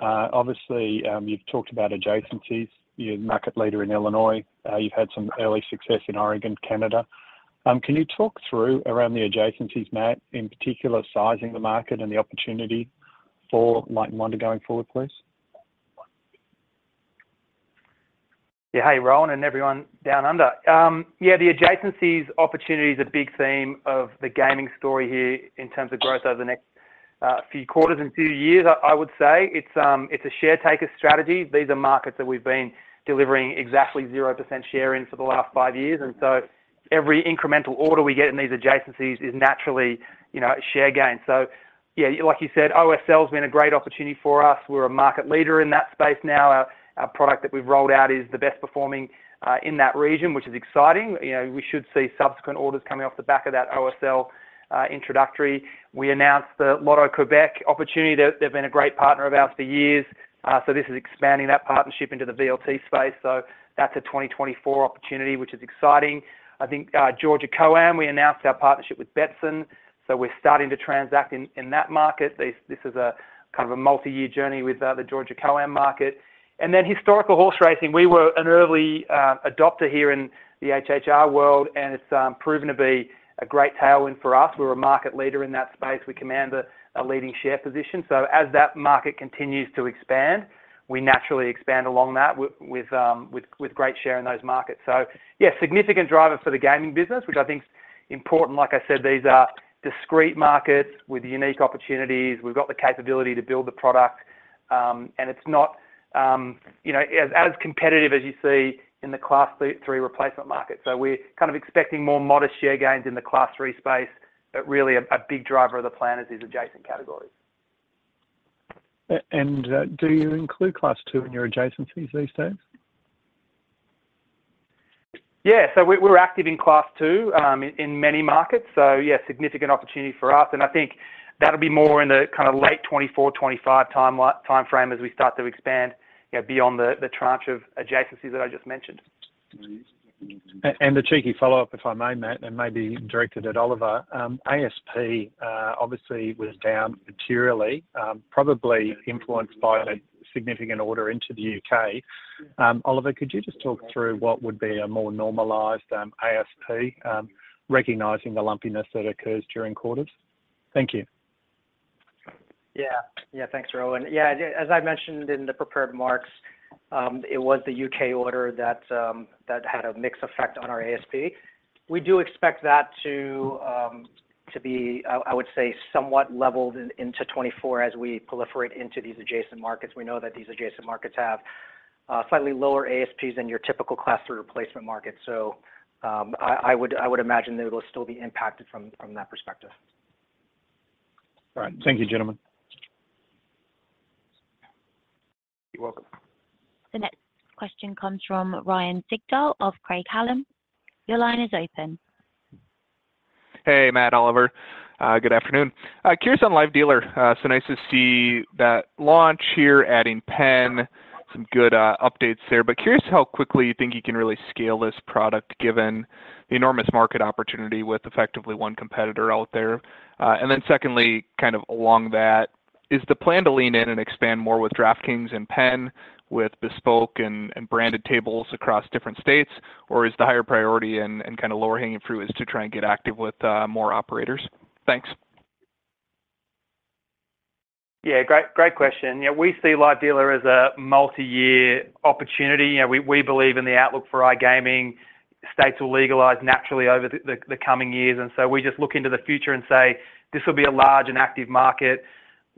Obviously, you've talked about adjacencies. You're the market leader in Illinois. You've had some early success in Oregon, Canada. Can you talk through around the adjacencies, Matt, in particular, sizing the market and the opportunity for Light & Wonder going forward, please?
Yeah. Hey, Rowan and everyone down under. Yeah. The adjacencies opportunity is a big theme of the gaming story here in terms of growth over the next few quarters and few years, I would say. It's a share-taker strategy. These are markets that we've been delivering exactly 0% share in for the last five years. And so every incremental order we get in these adjacencies is naturally a share gain. So yeah, like you said, OSL has been a great opportunity for us. We're a market leader in that space now. Our product that we've rolled out is the best performing in that region, which is exciting. We should see subsequent orders coming off the back of that OSL introductory. We announced the Loto-Québec opportunity. They've been a great partner of ours for years. So this is expanding that partnership into the VLT space. So that's a 2024 opportunity, which is exciting. I think Georgia COAM, we announced our partnership with Betson. So we're starting to transact in that market. This is kind of a multi-year journey with the Georgia COAM market. And then historical horse racing. We were an early adopter here in the HHR world, and it's proven to be a great tailwind for us. We're a market leader in that space. We command a leading share position. So as that market continues to expand, we naturally expand along that with great share in those markets. So yeah, significant driver for the gaming business, which I think is important. Like I said, these are discrete markets with unique opportunities. We've got the capability to build the product, and it's not as competitive as you see in the Class 3 replacement market. We're kind of expecting more modest share gains in the Class 3 space, but really a big driver of the plan is these adjacent categories.
Do you include Class 2 in your adjacencies these days?
Yeah. We're active in Class 2 in many markets. Yeah, significant opportunity for us. I think that'll be more in the kind of late 2024, 2025 timeframe as we start to expand beyond the tranche of adjacencies that I just mentioned.
A cheeky follow-up, if I may, Matt, and maybe directed at Oliver. ASP, obviously, was down materially, probably influenced by a significant order into the U.K. Oliver, could you just talk through what would be a more normalized ASP, recognizing the lumpiness that occurs during quarters? Thank you.
Yeah. Yeah. Thanks, Rowan. Yeah. As I mentioned in the prepared remarks, it was the U.K. order that had a mixed effect on our ASP. We do expect that to be, I would say, somewhat leveled into 2024 as we proliferate into these adjacent markets. We know that these adjacent markets have slightly lower ASPs than your typical Class 3 replacement market. So I would imagine it'll still be impacted from that perspective.
All right. Thank you, gentlemen.
You're welcome.
The next question comes from Ryan Sigdahl of Craig-Hallum. Your line is open.
Hey, Matt, Oliver. Good afternoon. Curious on Live Dealer. So nice to see that launch here, adding Penn, some good updates there. But curious how quickly you think you can really scale this product given the enormous market opportunity with effectively one competitor out there. And then secondly, kind of along that, is the plan to lean in and expand more with DraftKings and Penn with bespoke and branded tables across different states, or is the higher priority and kind of lower hanging fruit to try and get active with more operators? Thanks.
Yeah. Great question. Yeah. We see Live Dealer as a multi-year opportunity. We believe in the outlook for our gaming states will legalize naturally over the coming years. And so we just look into the future and say, "This will be a large and active market.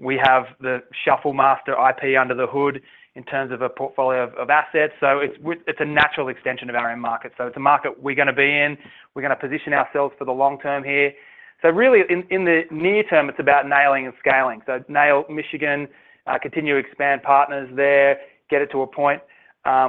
We have the Shuffle Master IP under the hood in terms of a portfolio of assets." So it's a natural extension of our end market. So it's a market we're going to be in. We're going to position ourselves for the long term here. So really, in the near term, it's about nailing and scaling. So nail Michigan, continue to expand partners there, get it to a point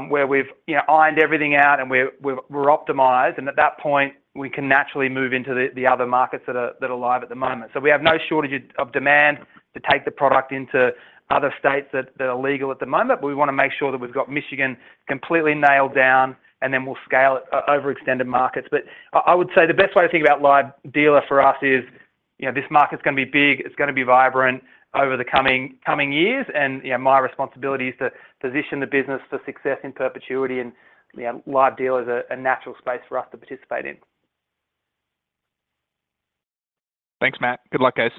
where we've ironed everything out and we're optimized. And at that point, we can naturally move into the other markets that are live at the moment. We have no shortage of demand to take the product into other states that are legal at the moment. But we want to make sure that we've got Michigan completely nailed down, and then we'll scale it over extended markets. But I would say the best way to think about Live Dealer for us is this market's going to be big. It's going to be vibrant over the coming years. And my responsibility is to position the business for success in perpetuity. And Live Dealer is a natural space for us to participate in.
Thanks, Matt. Good luck, guys.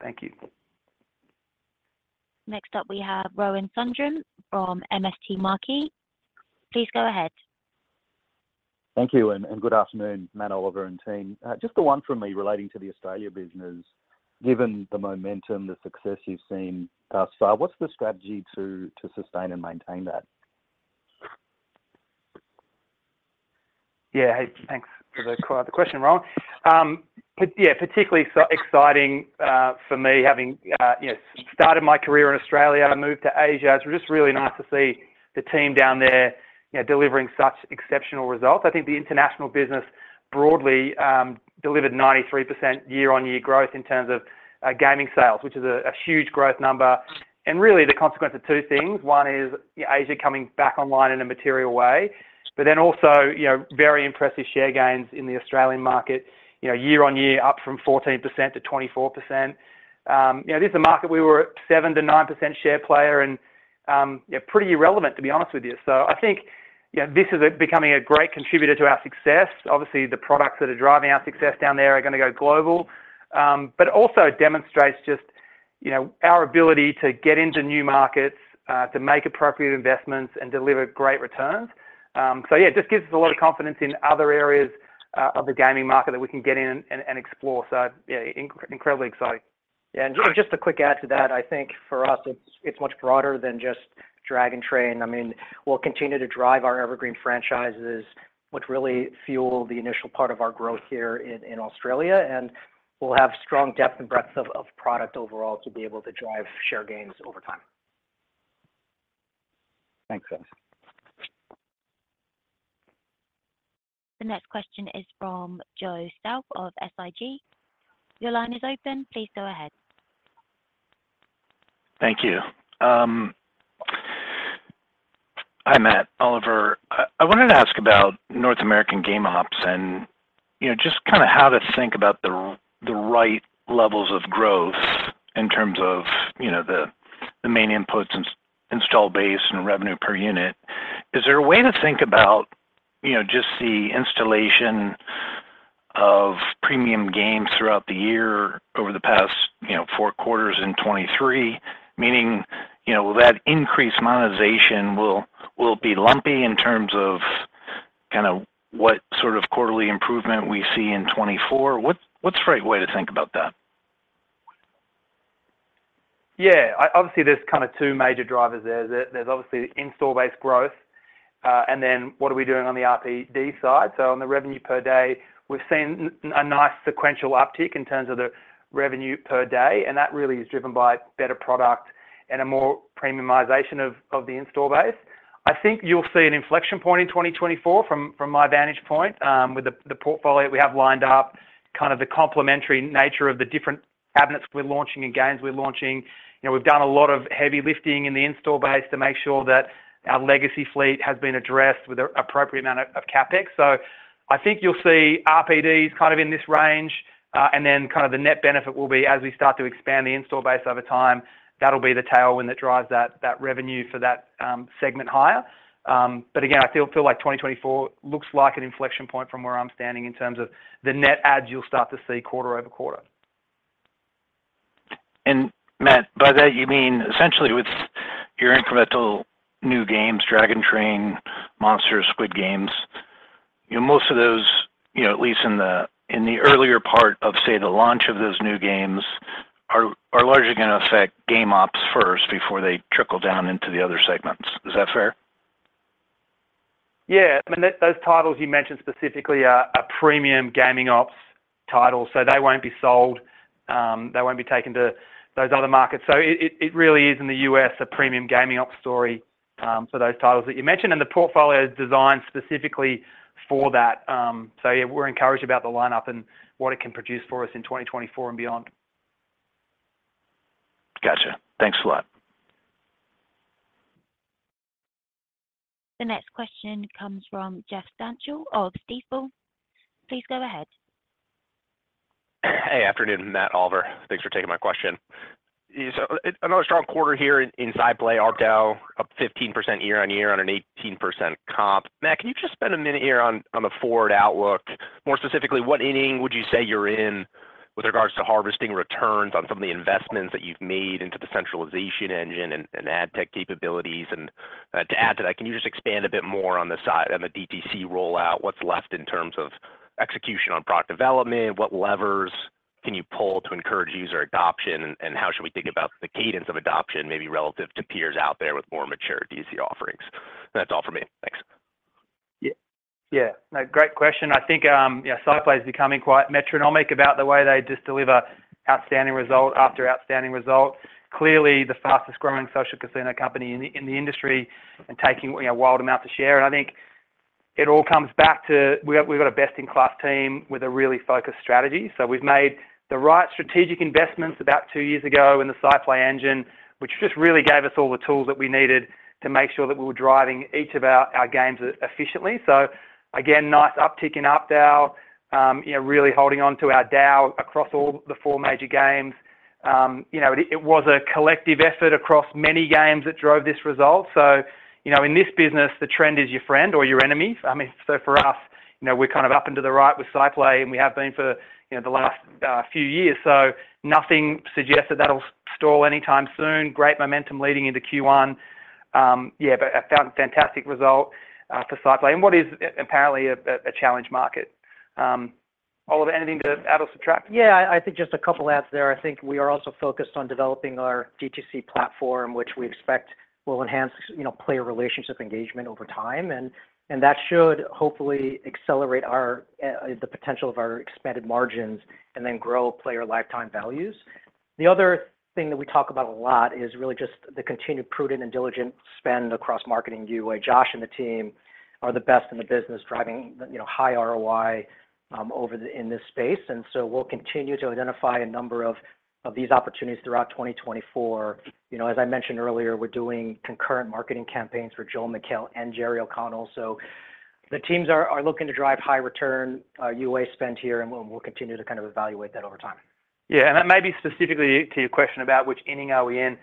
Thank you.
Next up, we have Rohan Sundram from MST Marquee. Please go ahead.
Thank you. Good afternoon, Matt, Oliver, and team. Just the one from me relating to the Australian business. Given the momentum, the success you've seen thus far, what's the strategy to sustain and maintain that?
Yeah. Hey. Thanks for the question, Rohan. Yeah. Particularly exciting for me having started my career in Australia, moved to Asia. It's just really nice to see the team down there delivering such exceptional results. I think the international business broadly delivered 93% year-on-year growth in terms of gaming sales, which is a huge growth number. And really, the consequence of two things. One is Asia coming back online in a material way, but then also very impressive share gains in the Australian market year-on-year, up from 14%-24%. This is a market we were a 7%-9% share player and pretty irrelevant, to be honest with you. So I think this is becoming a great contributor to our success. Obviously, the products that are driving our success down there are going to go global, but also demonstrates just our ability to get into new markets, to make appropriate investments, and deliver great returns. So yeah, it just gives us a lot of confidence in other areas of the gaming market that we can get in and explore. So yeah, incredibly exciting.
Yeah. Just a quick add to that, I think for us, it's much broader than just Dragon Train. I mean, we'll continue to drive our evergreen franchises, which really fuel the initial part of our growth here in Australia. We'll have strong depth and breadth of product overall to be able to drive share gains over time.
Thanks, guys.
The next question is from Joe Stauff of SIG. Your line is open. Please go ahead.
Thank you. Hi, Matt. Oliver, I wanted to ask about North American GameOps and just kind of how to think about the right levels of growth in terms of the main inputs, install base, and revenue per unit. Is there a way to think about just the installation of premium games throughout the year over the past four quarters in 2023, meaning will that increased monetization will be lumpy in terms of kind of what sort of quarterly improvement we see in 2024? What's the right way to think about that?
Yeah. Obviously, there's kind of two major drivers there. There's obviously install-based growth. And then what are we doing on the RPD side? So on the revenue per day, we've seen a nice sequential uptick in terms of the revenue per day. And that really is driven by better product and a more premiumization of the install base. I think you'll see an inflection point in 2024 from my vantage point with the portfolio that we have lined up, kind of the complementary nature of the different cabinets we're launching and games we're launching. We've done a lot of heavy lifting in the install base to make sure that our legacy fleet has been addressed with an appropriate amount of CapEx. So I think you'll see RPDs kind of in this range. And then kind of the net benefit will be, as we start to expand the install base over time, that'll be the tailwind that drives that revenue for that segment higher. But again, I feel like 2024 looks like an inflection point from where I'm standing in terms of the net adds you'll start to see quarter-over-quarter.
And Matt, by that, you mean essentially with your incremental new games, Dragon Train, Monsters, Squid Game, most of those, at least in the earlier part of, say, the launch of those new games, are largely going to affect GameOps first before they trickle down into the other segments. Is that fair?
Yeah. I mean, those titles you mentioned specifically are premium gaming ops titles. So they won't be sold. They won't be taken to those other markets. So it really is in the U.S. a premium gaming ops story for those titles that you mentioned. And the portfolio is designed specifically for that. So yeah, we're encouraged about the lineup and what it can produce for us in 2024 and beyond.
Gotcha. Thanks a lot.
The next question comes from Jeff Stantial of Stifel. Please go ahead.
Hey. Afternoon, Matt, Oliver. Thanks for taking my question. So another strong quarter here inside SciPlay, ARPDAU up 15% year-over-year and 18% comp. Matt, can you just spend a minute here on the forward outlook? More specifically, what inning would you say you're in with regards to harvesting returns on some of the investments that you've made into the centralisation engine and ad tech capabilities? And to add to that, can you just expand a bit more on the DTC rollout, what's left in terms of execution on product development? What levers can you pull to encourage user adoption? And how should we think about the cadence of adoption, maybe relative to peers out there with more mature DTC offerings? That's all from me. Thanks.
Yeah. Yeah. Great question. I think SciPlay is becoming quite metronomic about the way they just deliver outstanding result after outstanding result. Clearly, the fastest-growing social casino company in the industry and taking wild amounts of share. And I think it all comes back to we've got a best-in-class team with a really focused strategy. So we've made the right strategic investments about two years ago in the SciPlay engine, which just really gave us all the tools that we needed to make sure that we were driving each of our games efficiently. So again, nice uptick in ARPDAU, really holding onto our DAU across all the four major games. It was a collective effort across many games that drove this result. So in this business, the trend is your friend or your enemy. I mean, so for us, we're kind of up and to the right with SciPlay, and we have been for the last few years. So nothing suggests that that'll stall anytime soon. Great momentum leading into Q1. Yeah. But a fantastic result for SciPlay. And what is apparently a challenge market? Oliver, anything to add or subtract?
Yeah. I think just a couple of ads there. I think we are also focused on developing our DTC platform, which we expect will enhance player relationship engagement over time. That should hopefully accelerate the potential of our expanded margins and then grow player lifetime values. The other thing that we talk about a lot is really just the continued prudent and diligent spend across marketing. You, Josh, and the team are the best in the business driving high ROI in this space. So we'll continue to identify a number of these opportunities throughout 2024. As I mentioned earlier, we're doing concurrent marketing campaigns for Joel McHale and Jerry O'Connell. The teams are looking to drive high return UA spend here, and we'll continue to kind of evaluate that over time.
Yeah. And that may be specifically to your question about which inning are we in.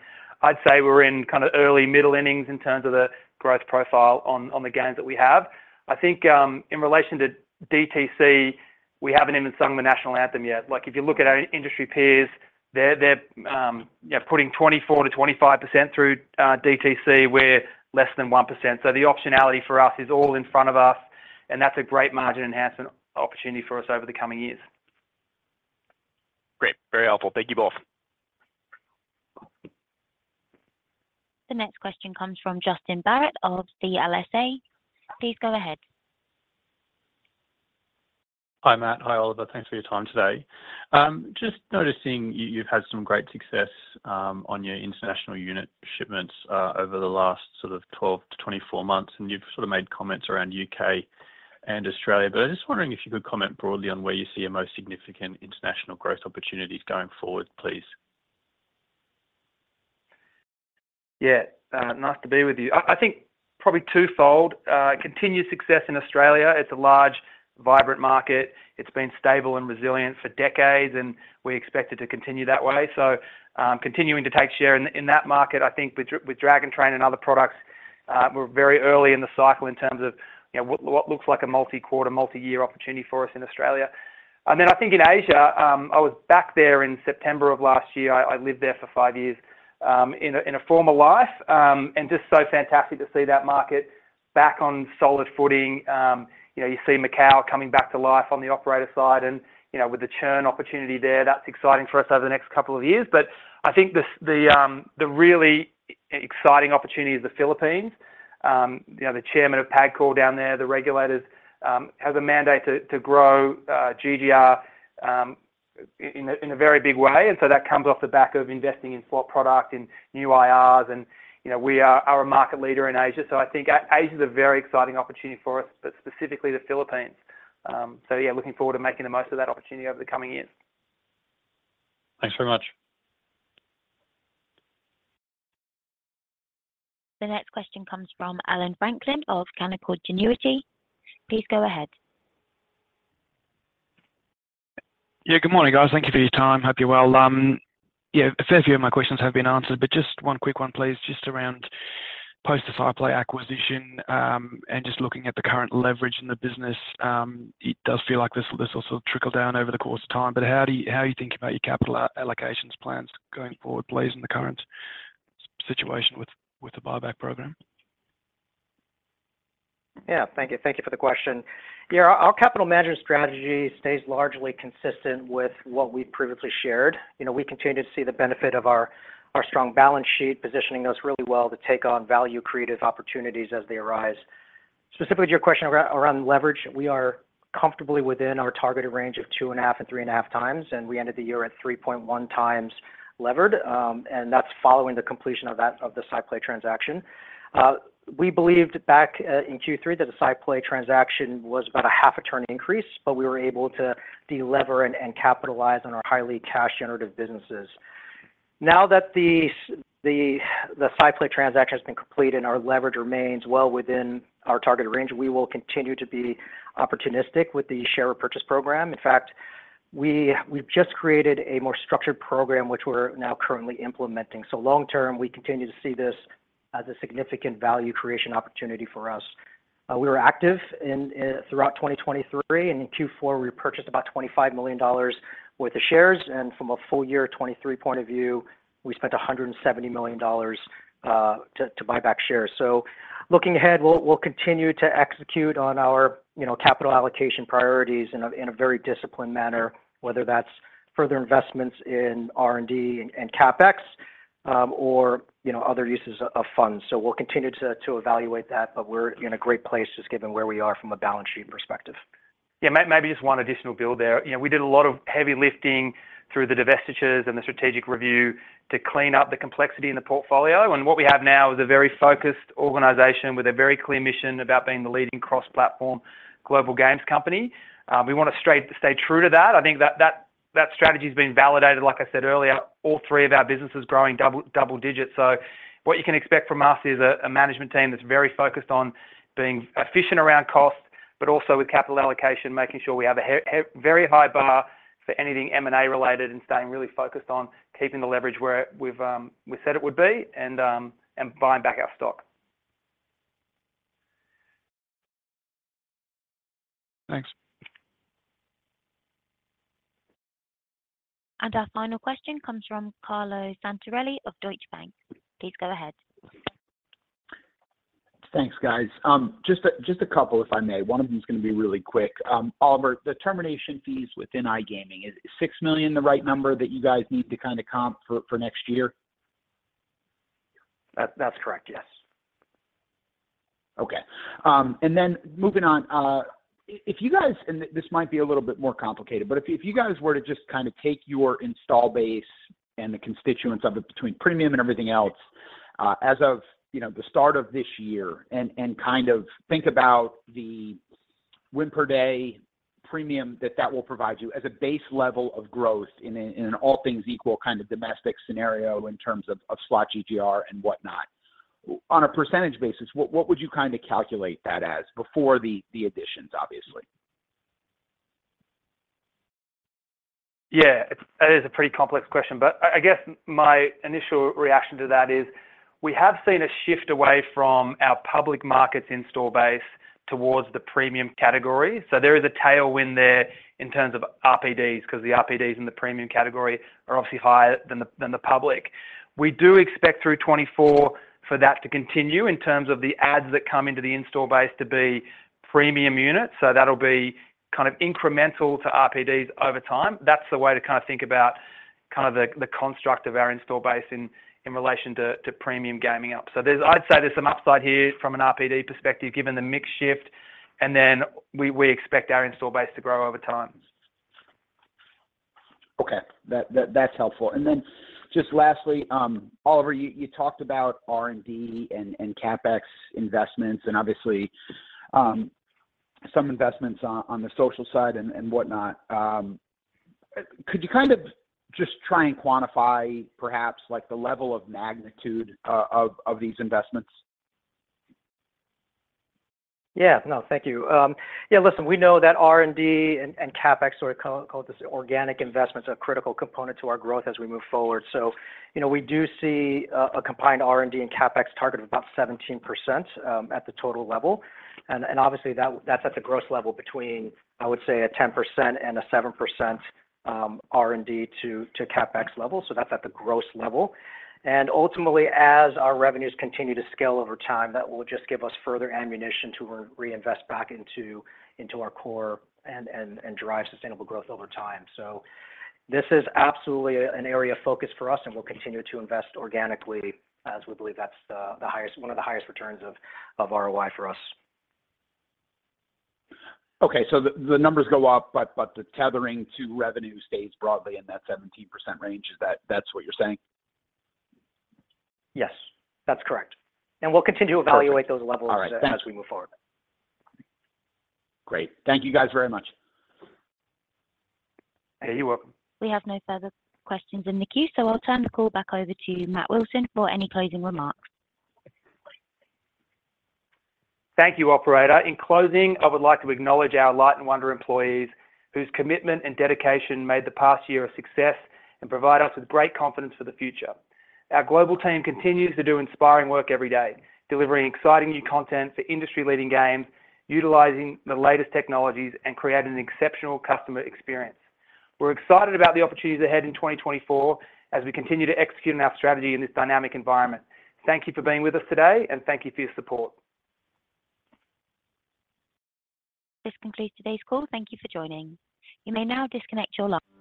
I'd say we're in kind of early, middle innings in terms of the growth profile on the games that we have. I think in relation to DTC, we haven't even sung the national anthem yet. If you look at our industry peers, they're putting 24%-25% through DTC. We're less than 1%. So the optionality for us is all in front of us. And that's a great margin enhancement opportunity for us over the coming years.
Great. Very helpful. Thank you both.
The next question comes from Justin Barratt of CLSA. Please go ahead.
Hi, Matt. Hi, Oliver. Thanks for your time today. Just noticing you've had some great success on your international unit shipments over the last sort of 12-24 months. And you've sort of made comments around UK and Australia. But I was just wondering if you could comment broadly on where you see your most significant international growth opportunities going forward, please?
Yeah. Nice to be with you. I think probably twofold. Continued success in Australia. It's a large, vibrant market. It's been stable and resilient for decades, and we expect it to continue that way. So continuing to take share in that market, I think with Dragon Train and other products, we're very early in the cycle in terms of what looks like a multi-quarter, multi-year opportunity for us in Australia. And then I think in Asia, I was back there in September of last year. I lived there for five years in a former life. And just so fantastic to see that market back on solid footing. You see Macau coming back to life on the operator side. And with the churn opportunity there, that's exciting for us over the next couple of years. But I think the really exciting opportunity is the Philippines. The chairman of PAGCOR down there, the regulators, has a mandate to grow GGR in a very big way. So that comes off the back of investing in slot product, in new IRs. We are a market leader in Asia. I think Asia is a very exciting opportunity for us, but specifically the Philippines. Yeah, looking forward to making the most of that opportunity over the coming years.
Thanks very much.
The next question comes from Alan Franklin of Canaccord Genuity. Please go ahead.
Yeah. Good morning, guys. Thank you for your time. Hope you're well. Yeah. A fair few of my questions have been answered. But just one quick one, please, just around post the SciPlay acquisition and just looking at the current leverage in the business. It does feel like this will sort of trickle down over the course of time. But how are you thinking about your capital allocations plans going forward, please, in the current situation with the buyback program?
Yeah. Thank you. Thank you for the question. Yeah. Our capital management strategy stays largely consistent with what we've previously shared. We continue to see the benefit of our strong balance sheet positioning us really well to take on value-creative opportunities as they arise. Specifically to your question around leverage, we are comfortably within our targeted range of 2.5-3.5 times. We ended the year at 3.1 times levered. That's following the completion of the SciPlay transaction. We believed back in Q3 that a SciPlay transaction was about a half-turn increase, but we were able to delever and capitalize on our highly cash-generative businesses. Now that the SciPlay transaction has been completed and our leverage remains well within our targeted range, we will continue to be opportunistic with the share repurchase program. In fact, we've just created a more structured program, which we're now currently implementing. So long-term, we continue to see this as a significant value creation opportunity for us. We were active throughout 2023. In Q4, we repurchased about $25 million worth of shares. From a full-year 2023 point of view, we spent $170 million to buy back shares. Looking ahead, we'll continue to execute on our capital allocation priorities in a very disciplined manner, whether that's further investments in R&D and CapEx or other uses of funds. We'll continue to evaluate that. We're in a great place just given where we are from a balance sheet perspective. Yeah. Maybe just one additional build there. We did a lot of heavy lifting through the divestitures and the strategic review to clean up the complexity in the portfolio. What we have now is a very focused organization with a very clear mission about being the leading cross-platform global games company. We want to stay true to that. I think that strategy has been validated, like I said earlier, all three of our businesses growing double digits. What you can expect from us is a management team that's very focused on being efficient around cost, but also with capital allocation, making sure we have a very high bar for anything M&A related and staying really focused on keeping the leverage where we've said it would be and buying back our stock.
Thanks.
Our final question comes from Carlo Santarelli of Deutsche Bank. Please go ahead.
Thanks, guys. Just a couple, if I may. One of them's going to be really quick. Oliver, the termination fees within iGaming, is $6 million the right number that you guys need to kind of comp for next year?
That's correct. Yes.
Okay. And then moving on, if you guys and this might be a little bit more complicated, but if you guys were to just kind of take your install base and the constituents of it between premium and everything else as of the start of this year and kind of think about the win per day premium that that will provide you as a base level of growth in an all things equal kind of domestic scenario in terms of slot GGR and whatnot, on a percentage basis, what would you kind of calculate that as before the additions, obviously?
Yeah. That is a pretty complex question. But I guess my initial reaction to that is we have seen a shift away from our public markets install base towards the premium category. So there is a tailwind there in terms of RPDs because the RPDs in the premium category are obviously higher than the public. We do expect through 2024 for that to continue in terms of the adds that come into the install base to be premium units. So that'll be kind of incremental to RPDs over time. That's the way to kind of think about kind of the construct of our install base in relation to premium gaming up. So I'd say there's some upside here from an RPD perspective given the mix shift. And then we expect our install base to grow over time.
Okay. That's helpful. And then just lastly, Oliver, you talked about R&D and CapEx investments and obviously some investments on the social side and whatnot. Could you kind of just try and quantify perhaps the level of magnitude of these investments?
Yeah. No. Thank you. Yeah. Listen, we know that R&D and CapEx, or call it this organic investments, are a critical component to our growth as we move forward. So we do see a combined R&D and CapEx target of about 17% at the total level. And obviously, that's at the gross level between, I would say, a 10% and a 7% R&D to CapEx level. So that's at the gross level. And ultimately, as our revenues continue to scale over time, that will just give us further ammunition to reinvest back into our core and drive sustainable growth over time. So this is absolutely an area of focus for us, and we'll continue to invest organically as we believe that's one of the highest returns of ROI for us.
Okay. So the numbers go up, but the tethering to revenue stays broadly in that 17% range. Is that what you're saying?
Yes. That's correct. We'll continue to evaluate those levels as we move forward.
Great. Thank you guys very much.
Yeah. You're welcome.
We have no further questions in the queue, so I'll turn the call back over to Matt Wilson for any closing remarks.
Thank you, operator. In closing, I would like to acknowledge our Light & Wonder employees whose commitment and dedication made the past year a success and provide us with great confidence for the future. Our global team continues to do inspiring work every day, delivering exciting new content for industry-leading games, utilizing the latest technologies, and creating an exceptional customer experience. We're excited about the opportunities ahead in 2024 as we continue to execute on our strategy in this dynamic environment. Thank you for being with us today, and thank you for your support.
This concludes today's call. Thank you for joining. You may now disconnect your line.